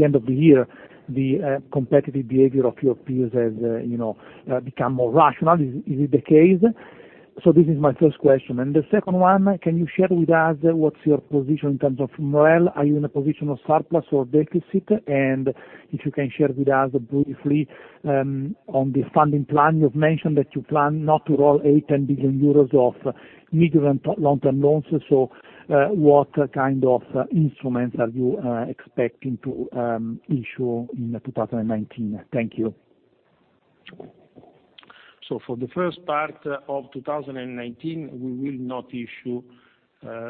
end of the year, the competitive behavior of your peers has become more rational. Is it the case? This is my first question. The second one, can you share with us what's your position in terms of MREL? Are you in a position of surplus or deficit? If you can share with us briefly, on the funding plan, you've mentioned that you plan not to roll 8 billion-10 billion euros of medium- and long-term loans. What kind of instruments are you expecting to issue in 2019? Thank you. For the first part of 2019, we will not issue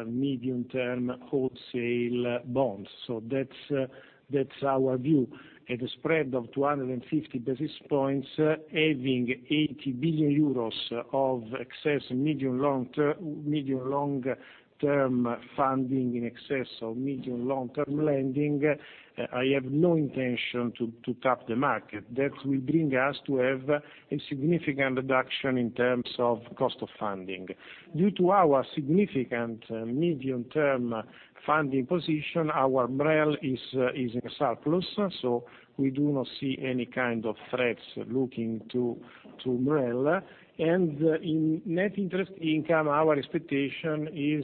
medium-term wholesale bonds. That's our view. At a spread of 250 basis points, having 80 billion euros of excess medium long-term funding in excess of medium long-term lending, I have no intention to tap the market. That will bring us to have a significant reduction in terms of cost of funding. Due to our significant medium-term funding position, our MREL is in surplus, so we do not see any kind of threats looking to MREL. In Net Interest Income, our expectation is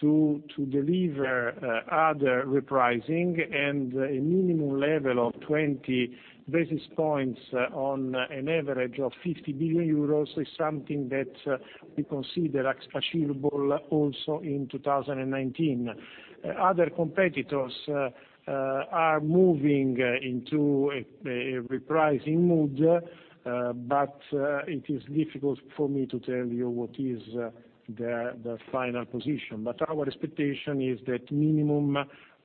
to deliver other repricing and a minimum level of 20 basis points on an average of 50 billion euros is something that we consider achievable also in 2019. Other competitors are moving into a repricing mode, but it is difficult for me to tell you what is the final position. Our expectation is that minimum,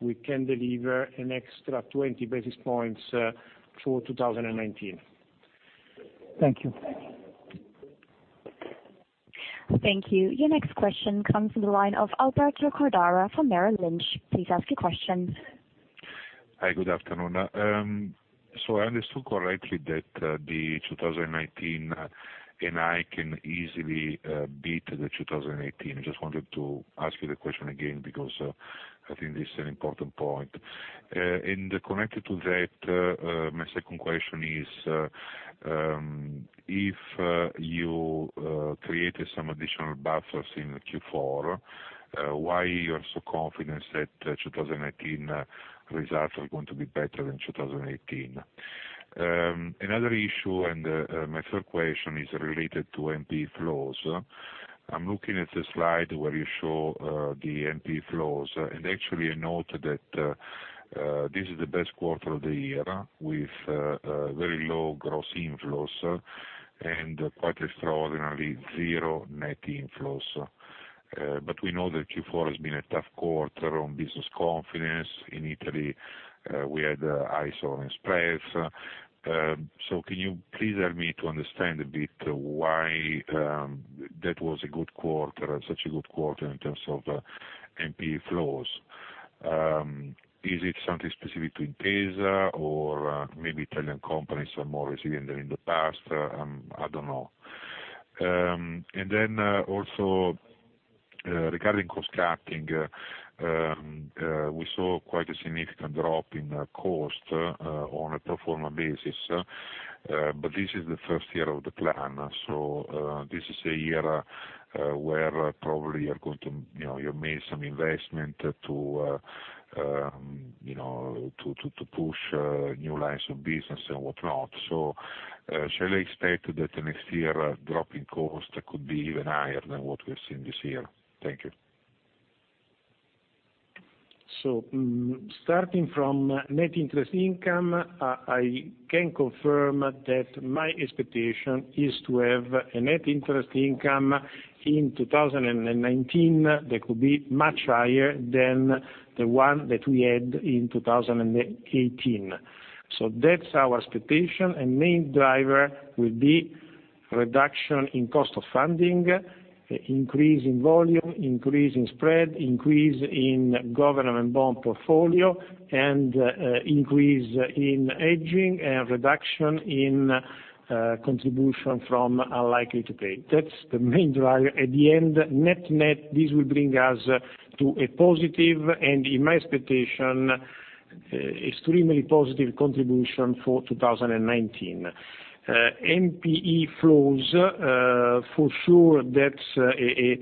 we can deliver an extra 20 basis points for 2019. Thank you. Thank you. Your next question comes from the line of Alberto Cordara from Bank of America Corporation Hi, good afternoon. I understood correctly that the 2019 NII can easily beat the 2018. I just wanted to ask you the question again because I think this is an important point. Connected to that, my second question is, if you created some additional buffers in Q4, why you are so confident that 2019 results are going to be better than 2018? Another issue, my third question is related to NPE flows. I'm looking at the slide where you show the NPE flows, and actually, I note that this is the best quarter of the year with very low gross inflows and quite extraordinarily, zero net inflows. We know that Q4 has been a tough quarter on business confidence. In Italy, we had high sovereign spreads. Can you please help me to understand a bit why that was a good quarter, such a good quarter in terms of NPE flows? Is it something specific to Intesa, or maybe Italian companies are more resilient than in the past? I don't know. Then also regarding cost cutting, we saw quite a significant drop in cost on a pro forma basis. This is the first year of the plan. This is a year where probably you made some investment to push new lines of business and whatnot. Shall I expect that the next year drop in cost could be even higher than what we have seen this year? Thank you. Starting from net interest income, I can confirm that my expectation is to have a net interest income in 2019 that could be much higher than the one that we had in 2018. That's our expectation. A main driver will be reduction in cost of funding, increase in volume, increase in spread, increase in government bond portfolio, and increase in hedging and reduction in contribution from unlikely to pay. That's the main driver. At the end, net this will bring us to a positive, and in my expectation, extremely positive contribution for 2019. NPE flows, for sure that's a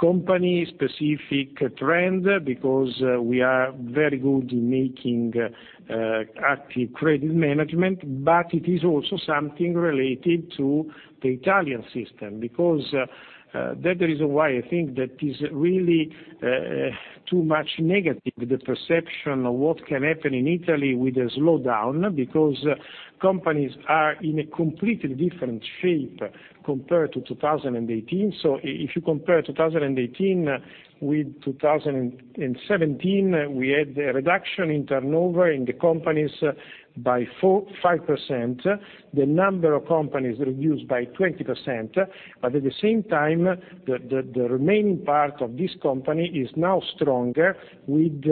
company specific trend because we are very good in making active credit management, but it is also something related to the Italian system. That is why I think that is really too much negative, the perception of what can happen in Italy with a slowdown, because companies are in a completely different shape compared to 2018. If you compare 2018 with 2017, we had a reduction in turnover in the companies by 5%. The number of companies reduced by 20%, but at the same time, the remaining part of this company is now stronger with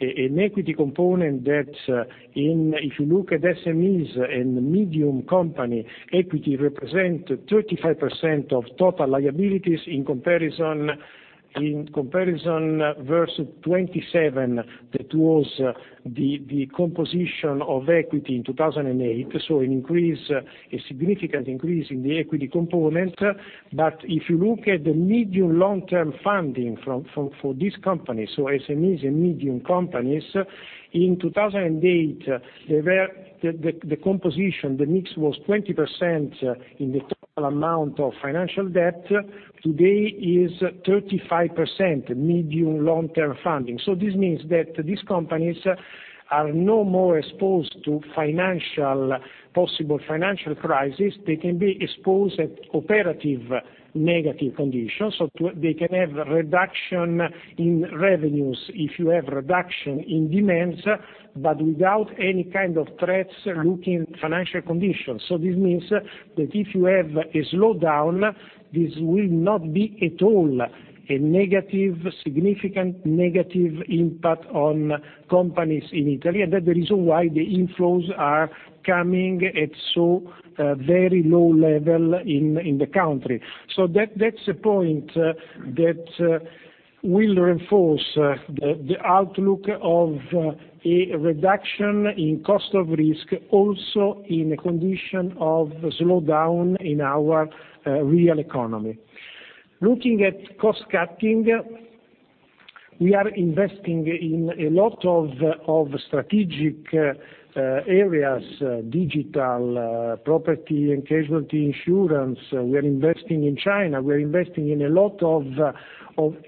an equity component that, if you look at SMEs and medium company, equity represent 35% of total liabilities in comparison versus 27%, that was the composition of equity in 2008. A significant increase in the equity component. If you look at the medium long-term funding for these companies, SMEs and medium companies, in 2008, the composition, the mix was 20% in the total amount of financial debt. Today is 35% medium long-term funding. This means that these companies are no more exposed to possible financial crisis. They can be exposed at operative negative conditions. They can have reduction in revenues if you have reduction in demands, but without any kind of threats looking financial conditions. This means that if you have a slowdown, this will not be at all a significant negative impact on companies in Italy, and that the reason why the inflows are coming at so very low level in the country. That's a point that will reinforce the outlook of a reduction in cost of risk, also in a condition of slowdown in our real economy. Looking at cost-cutting, we are investing in a lot of strategic areas, digital, property, and casualty insurance. We are investing in China. We are investing in a lot of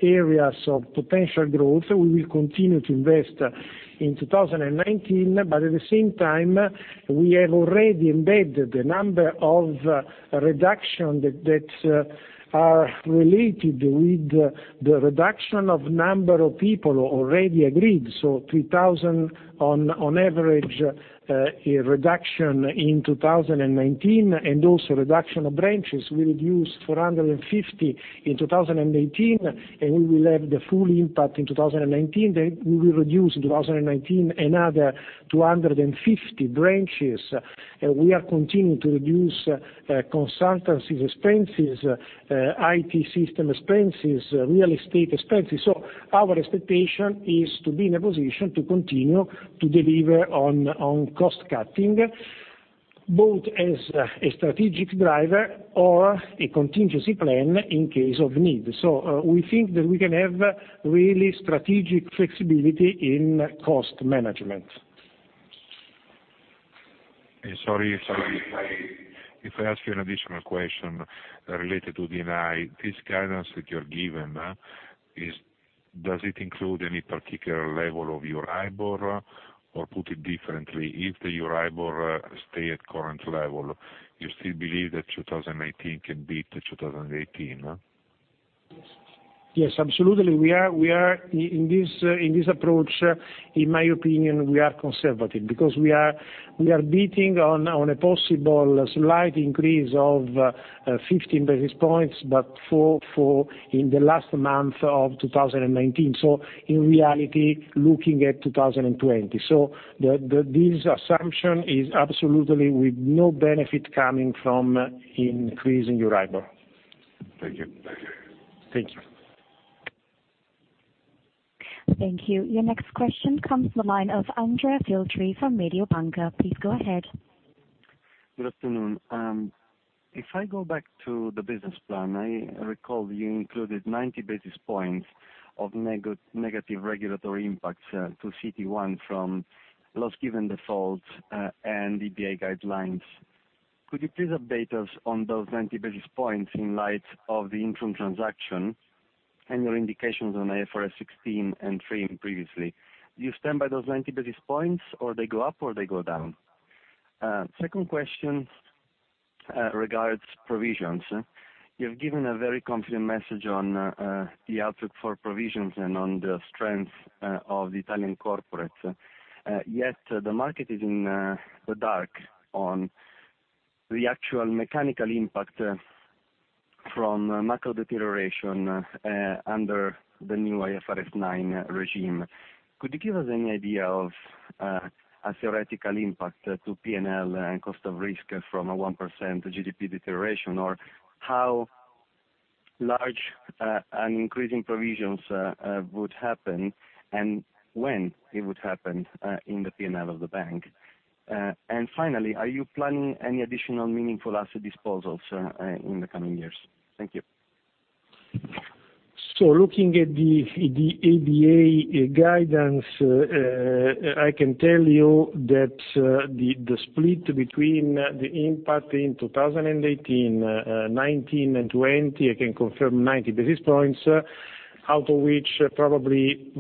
areas of potential growth. We will continue to invest in 2019, but at the same time, we have already embedded the number of reduction that are related with the reduction of number of people already agreed. 3,000 on average, a reduction in 2019, and also reduction of branches will reduce 450 in 2018, and we will have the full impact in 2019. We will reduce in 2019 another 250 branches. We are continuing to reduce consultancies expenses, IT system expenses, real estate expenses. Our expectation is to be in a position to continue to deliver on cost-cutting, both as a strategic driver or a contingency plan in case of need. We think that we can have really strategic flexibility in cost management. Sorry if I ask you an additional question related to NII. This guidance that you're given, does it include any particular level of EURIBOR? Or put it differently, if the EURIBOR stay at current level, you still believe that 2019 can beat 2018? Yes, absolutely. In this approach, in my opinion, we are conservative because we are betting on a possible slight increase of 15 basis points, but in the last month of 2019. In reality, looking at 2020. This assumption is absolutely with no benefit coming from increasing EURIBOR. Thank you. Thank you. Thank you. Your next question comes from the line of Andrea Filtri from Mediobanca. Please go ahead. Good afternoon. If I go back to the business plan, I recall you included 90 basis points of negative regulatory impacts to CET1 from loss given default, EBA guidelines. Could you please update us on those 90 basis points in light of the Intrum transaction and your indications on IFRS 16 and TRIM previously? Do you stand by those 90 basis points, or they go up, or they go down? Second question regards provisions. You've given a very confident message on the outlook for provisions and on the strength of the Italian corporates. Yet the market is in the dark on the actual mechanical impact from macro deterioration under the new IFRS 9 regime. Could you give us any idea of a theoretical impact to P&L and cost of risk from a 1% GDP deterioration? How large and increasing provisions would happen, and when it would happen in the P&L of the bank. Finally, are you planning any additional meaningful asset disposals in the coming years? Thank you. Looking at the EBA guidance, I can tell you that the split between the impact in 2018, 2019, and 2020, I can confirm 90 basis points, out of which probably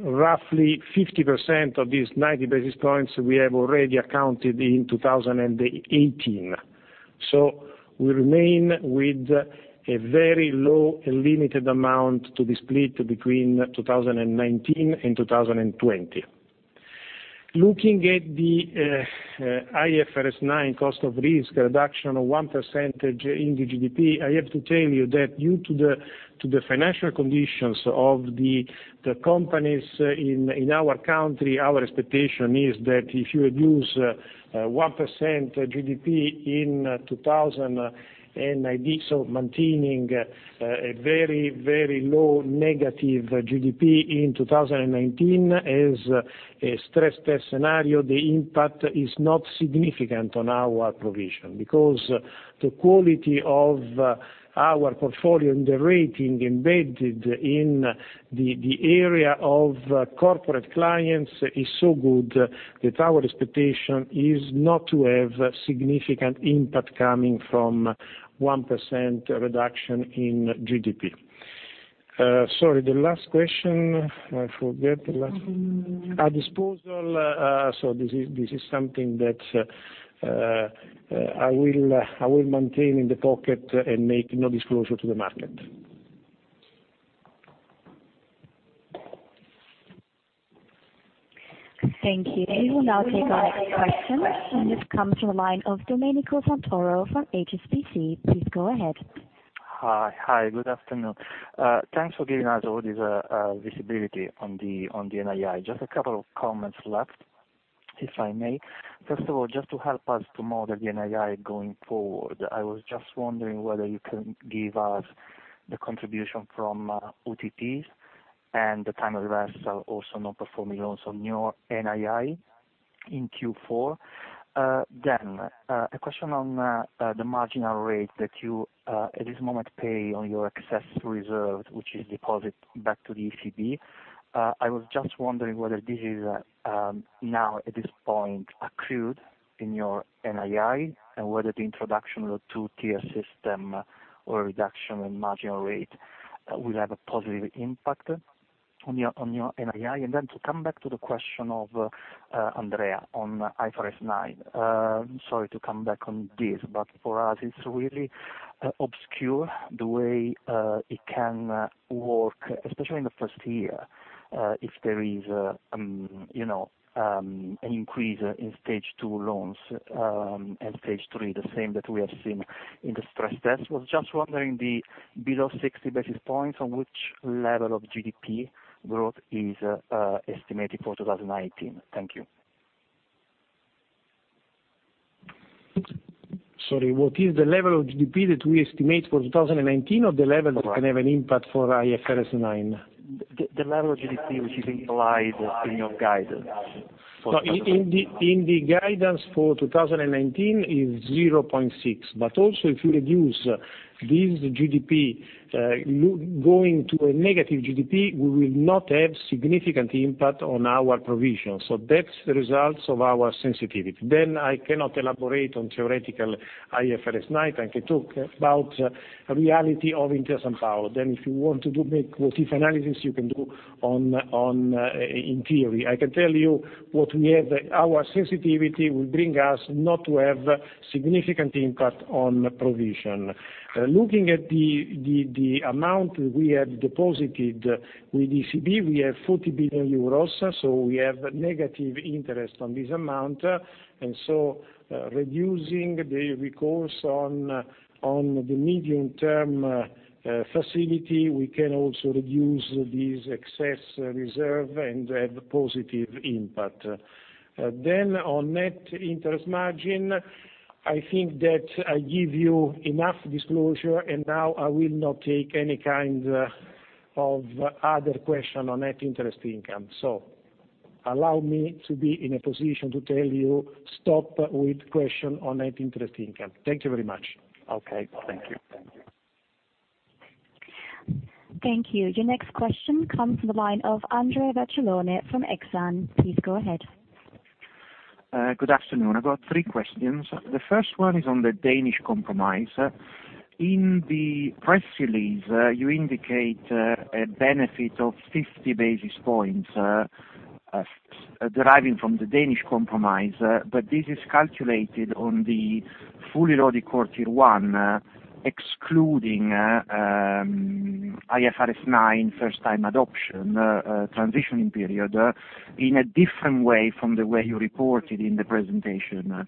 roughly 50% of these 90 basis points we have already accounted in 2018. We remain with a very low, limited amount to be split between 2019 and 2020. Looking at the IFRS 9 cost of risk reduction of 1% in the GDP, I have to tell you that due to the financial conditions of the companies in our country, our expectation is that if you reduce 1% GDP in 2019, maintaining a very low negative GDP in 2019 as a stress test scenario, the impact is not significant on our provision. The quality of our portfolio and the rating embedded in the area of corporate clients is so good that our expectation is not to have significant impact coming from 1% reduction in GDP. Sorry, the last question, I forget the last one. A disposal, this is something that I will maintain in the pocket and make no disclosure to the market. Thank you. We will now take our next question. This comes from the line of Domenico Santoro from HSBC. Please go ahead. Hi, good afternoon. Thanks for giving us all this visibility on the NII. Just a couple of comments left, if I may. First of all, just to help us to model the NII going forward, I was just wondering whether you can give us the contribution from UTP and the time reversal also non-performing loans on your NII in Q4. A question on the marginal rate that you at this moment pay on your excess reserve, which is deposit back to the ECB. I was just wondering whether this is now at this point accrued in your NII, and whether the introduction of the two-tier system or reduction in marginal rate will have a positive impact on your NII. To come back to the question of Andrea on IFRS 9. Sorry to come back on this, for us, it's really obscure the way it can work, especially in the first year, if there is an increase in stage 2 loans, and stage 3, the same that we have seen in the stress test. Was just wondering the below 60 basis points, on which level of GDP growth is estimated for 2019. Thank you. Sorry, what is the level of GDP that we estimate for 2019, or the level that can have an impact for IFRS 9? The level of GDP, which is implied in your guidance for 2019. In the guidance for 2019 is 0.6%. Also if you reduce this GDP, going to a negative GDP, we will not have significant impact on our provisions. That's the results of our sensitivity. I cannot elaborate on theoretical IFRS 9. I can talk about reality of Intesa Sanpaolo. If you want to make what-if analysis, you can do in theory. I can tell you what we have, our sensitivity will bring us not to have significant impact on provision. Looking at the amount we have deposited with ECB, we have 40 billion euros, so we have negative interest on this amount. Reducing the recourse on the medium-term facility, we can also reduce this excess reserve and have positive impact. On net interest margin, I think that I give you enough disclosure, and now I will not take any kind of other question on net interest income. Allow me to be in a position to tell you stop with question on net interest income. Thank you very much. Okay. Thank you. Thank you. Your next question comes from the line of Andrea Vercellone from Exane. Please go ahead. Good afternoon. I've got three questions. The first one is on the Danish Compromise. In the press release, you indicate a benefit of 50 basis points deriving from the Danish Compromise. This is calculated on the fully loaded core Tier 1, excluding IFRS 9 first-time adoption transitioning period, in a different way from the way you report it in the presentation.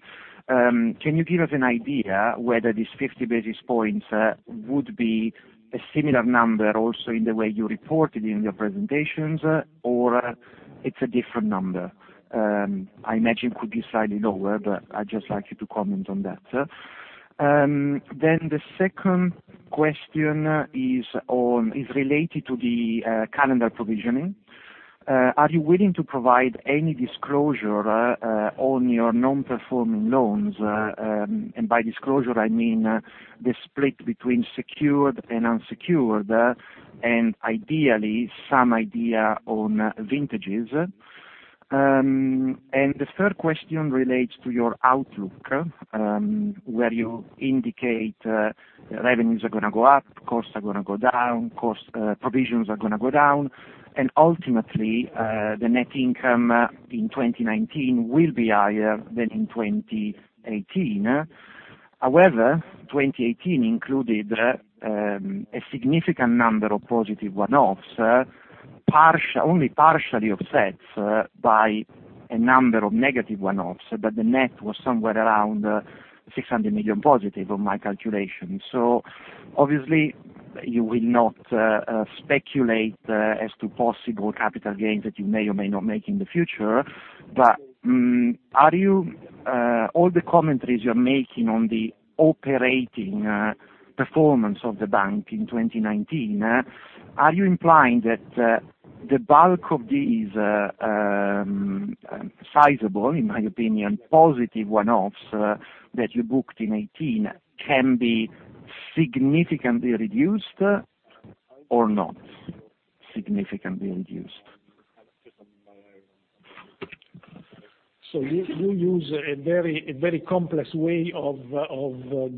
Can you give us an idea whether this 50 basis points would be a similar number also in the way you reported in your presentations, or it's a different number? I imagine could be slightly lower, but I'd just like you to comment on that. The second question is related to the calendar provisioning. Are you willing to provide any disclosure on your non-performing loans? By disclosure, I mean the split between secured and unsecured, and ideally some idea on vintages. The third question relates to your outlook, where you indicate revenues are going to go up, costs are going to go down, provisions are going to go down, and ultimately, the net income in 2019 will be higher than in 2018. However, 2018 included a significant number of positive one-offs, only partially offset by a number of negative one-offs. The net was somewhere around 600 million positive of my calculation. Obviously you will not speculate as to possible capital gains that you may or may not make in the future. All the commentaries you're making on the operating performance of the bank in 2019, are you implying that the bulk of these sizable, in my opinion, positive one-offs that you booked in 2018 can be significantly reduced or not significantly reduced? You use a very complex way of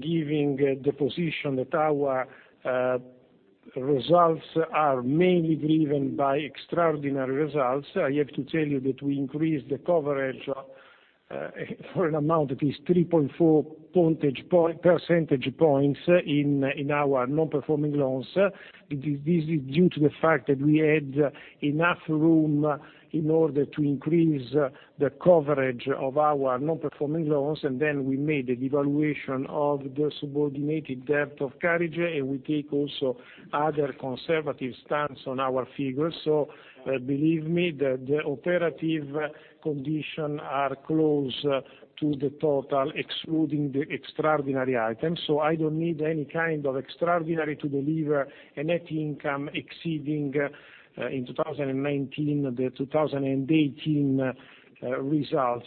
giving the position that our results are mainly driven by extraordinary results. I have to tell you that we increased the coverage for an amount that is 3.4 percentage points in our non-performing loans. This is due to the fact that we had enough room in order to increase the coverage of our non-performing loans, we made a devaluation of the subordinated debt of Carige, we take also other conservative stance on our figures. Believe me, the operative condition are close to the total, excluding the extraordinary items. I don't need any kind of extraordinary to deliver a net income exceeding in 2019 the 2018 results.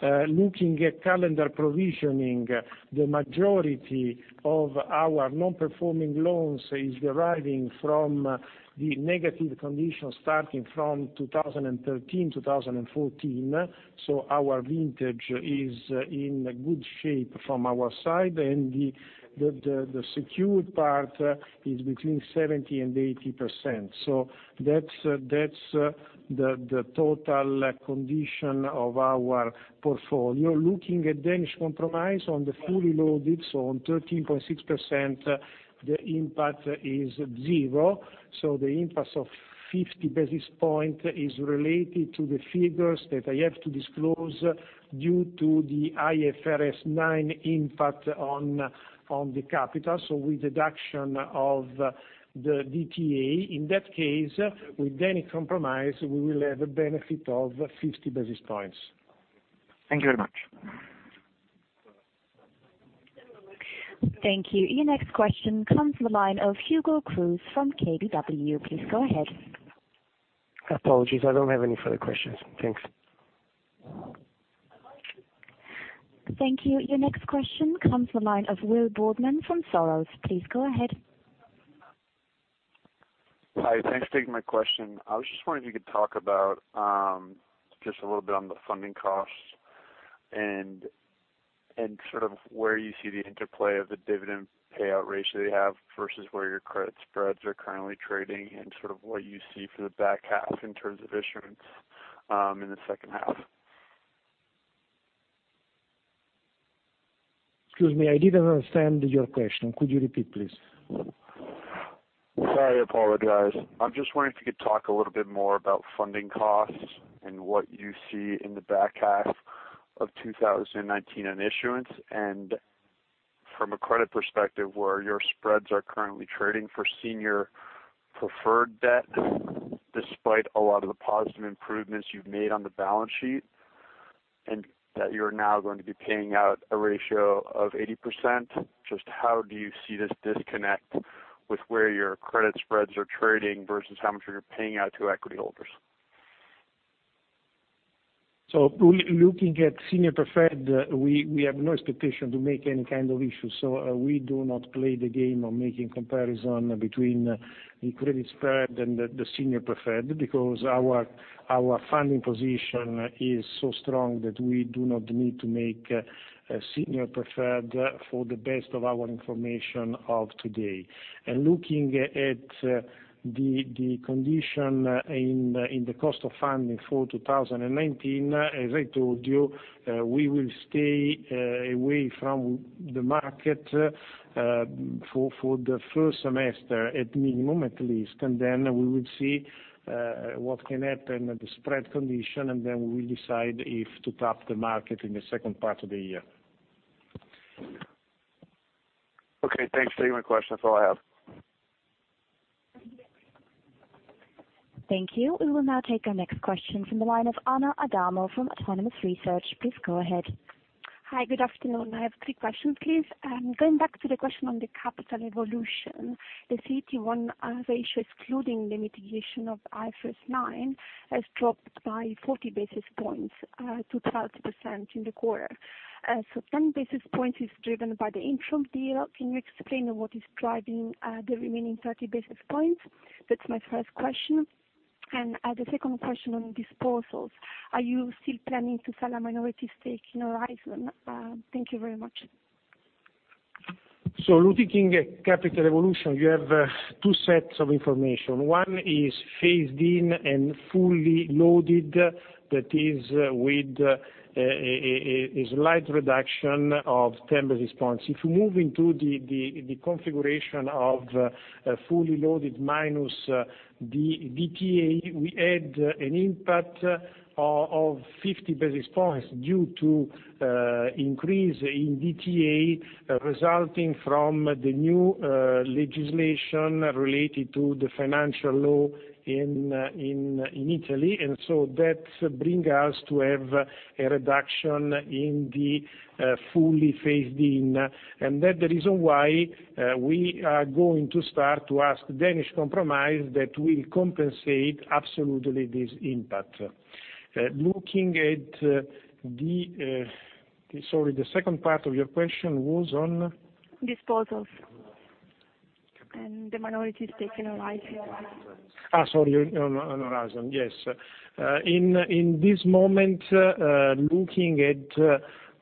Looking at calendar provisioning, the majority of our non-performing loans is deriving from the negative conditions starting from 2013, 2014. Our vintage is in good shape from our side, and the secured part is between 70% and 80%. That's the total condition of our portfolio. Looking at Danish Compromise on the fully loaded, on 13.6%, the impact is zero. The impact of 50 basis point is related to the figures that I have to disclose due to the IFRS 9 impact on the capital. With deduction of the DTA, in that case, with any compromise, we will have a benefit of 50 basis points. Thank you very much. Thank you. Your next question comes from the line of Hugo Cruz from KBW. Please go ahead. Apologies, I don't have any further questions. Thanks. Thank you. Your next question comes from the line of Will Boardman from Soros. Please go ahead. Hi, thanks for taking my question. I was just wondering if you could talk about just a little bit on the funding costs, and sort of where you see the interplay of the dividend payout ratio that you have versus where your credit spreads are currently trading, and sort of what you see for the back half in terms of issuance in the second half. Excuse me, I didn't understand your question. Could you repeat, please? Sorry, I apologize. I am just wondering if you could talk a little bit more about funding costs and what you see in the back half of 2019 on issuance, and from a credit perspective, where your spreads are currently trading for senior preferred debt, despite a lot of the positive improvements you've made on the balance sheet, and that you are now going to be paying out a ratio of 80%. Just how do you see this disconnect with where your credit spreads are trading versus how much you are paying out to equity holders? Looking at senior preferred, we have no expectation to make any kind of issue. We do not play the game of making comparison between the credit spread and the senior preferred because our funding position is so strong that we do not need to make a senior preferred for the best of our information of today. Looking at the condition in the cost of funding for 2019, as I told you, we will stay away from the market for the first semester at minimum at least, and then we will see what can happen at the spread condition, and then we will decide if to tap the market in the second part of the year. Okay, thanks for taking my question. That's all I have. Thank you. We will now take our next question from the line of Anna Adamo from Autonomous Research. Please go ahead. Hi, good afternoon. I have three questions, please. Going back to the question on the capital evolution, the CET1 ratio excluding the mitigation of IFRS 9 has dropped by 40 basis points to 30% in the quarter. 10 basis points is driven by the Intrum deal. Can you explain what is driving the remaining 30 basis points? That's my first question. The second question on disposals. Are you still planning to sell a minority stake in Eurizon? Thank you very much. Looking at capital evolution, you have two sets of information. One is phased in and fully loaded, that is with a slight reduction of 10 basis points. If you move into the configuration of fully loaded minus DTA, we had an impact of 50 basis points due to increase in DTA resulting from the new legislation related to the financial law in Italy. That bring us to have a reduction in the fully phased in. That the reason why we are going to start to ask Danish Compromise that will compensate absolutely this impact. Sorry, the second part of your question was on? Disposals. The minority stake in Eurizon. Sorry, on Eurizon. Yes. In this moment, looking at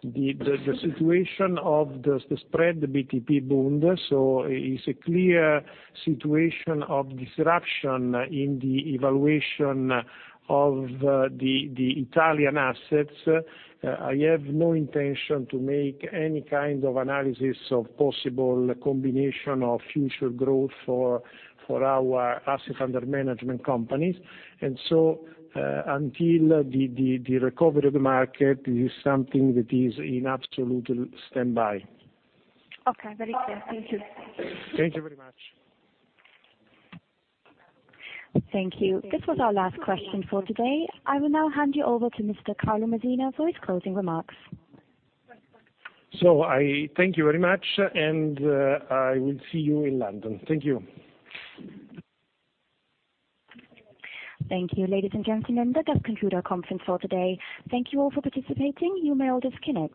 the situation of the spread BTP bund, is a clear situation of disruption in the evaluation of the Italian assets. I have no intention to make any kind of analysis of possible combination of future growth for our asset under management companies. Until the recovery of the market, is something that is in absolute standby. Okay, very clear. Thank you. Thank you very much. Thank you. This was our last question for today. I will now hand you over to Mr. Carlo Messina for his closing remarks. I thank you very much, and I will see you in London. Thank you. Thank you, ladies and gentlemen, that does conclude our conference call today. Thank you all for participating. You may all disconnect.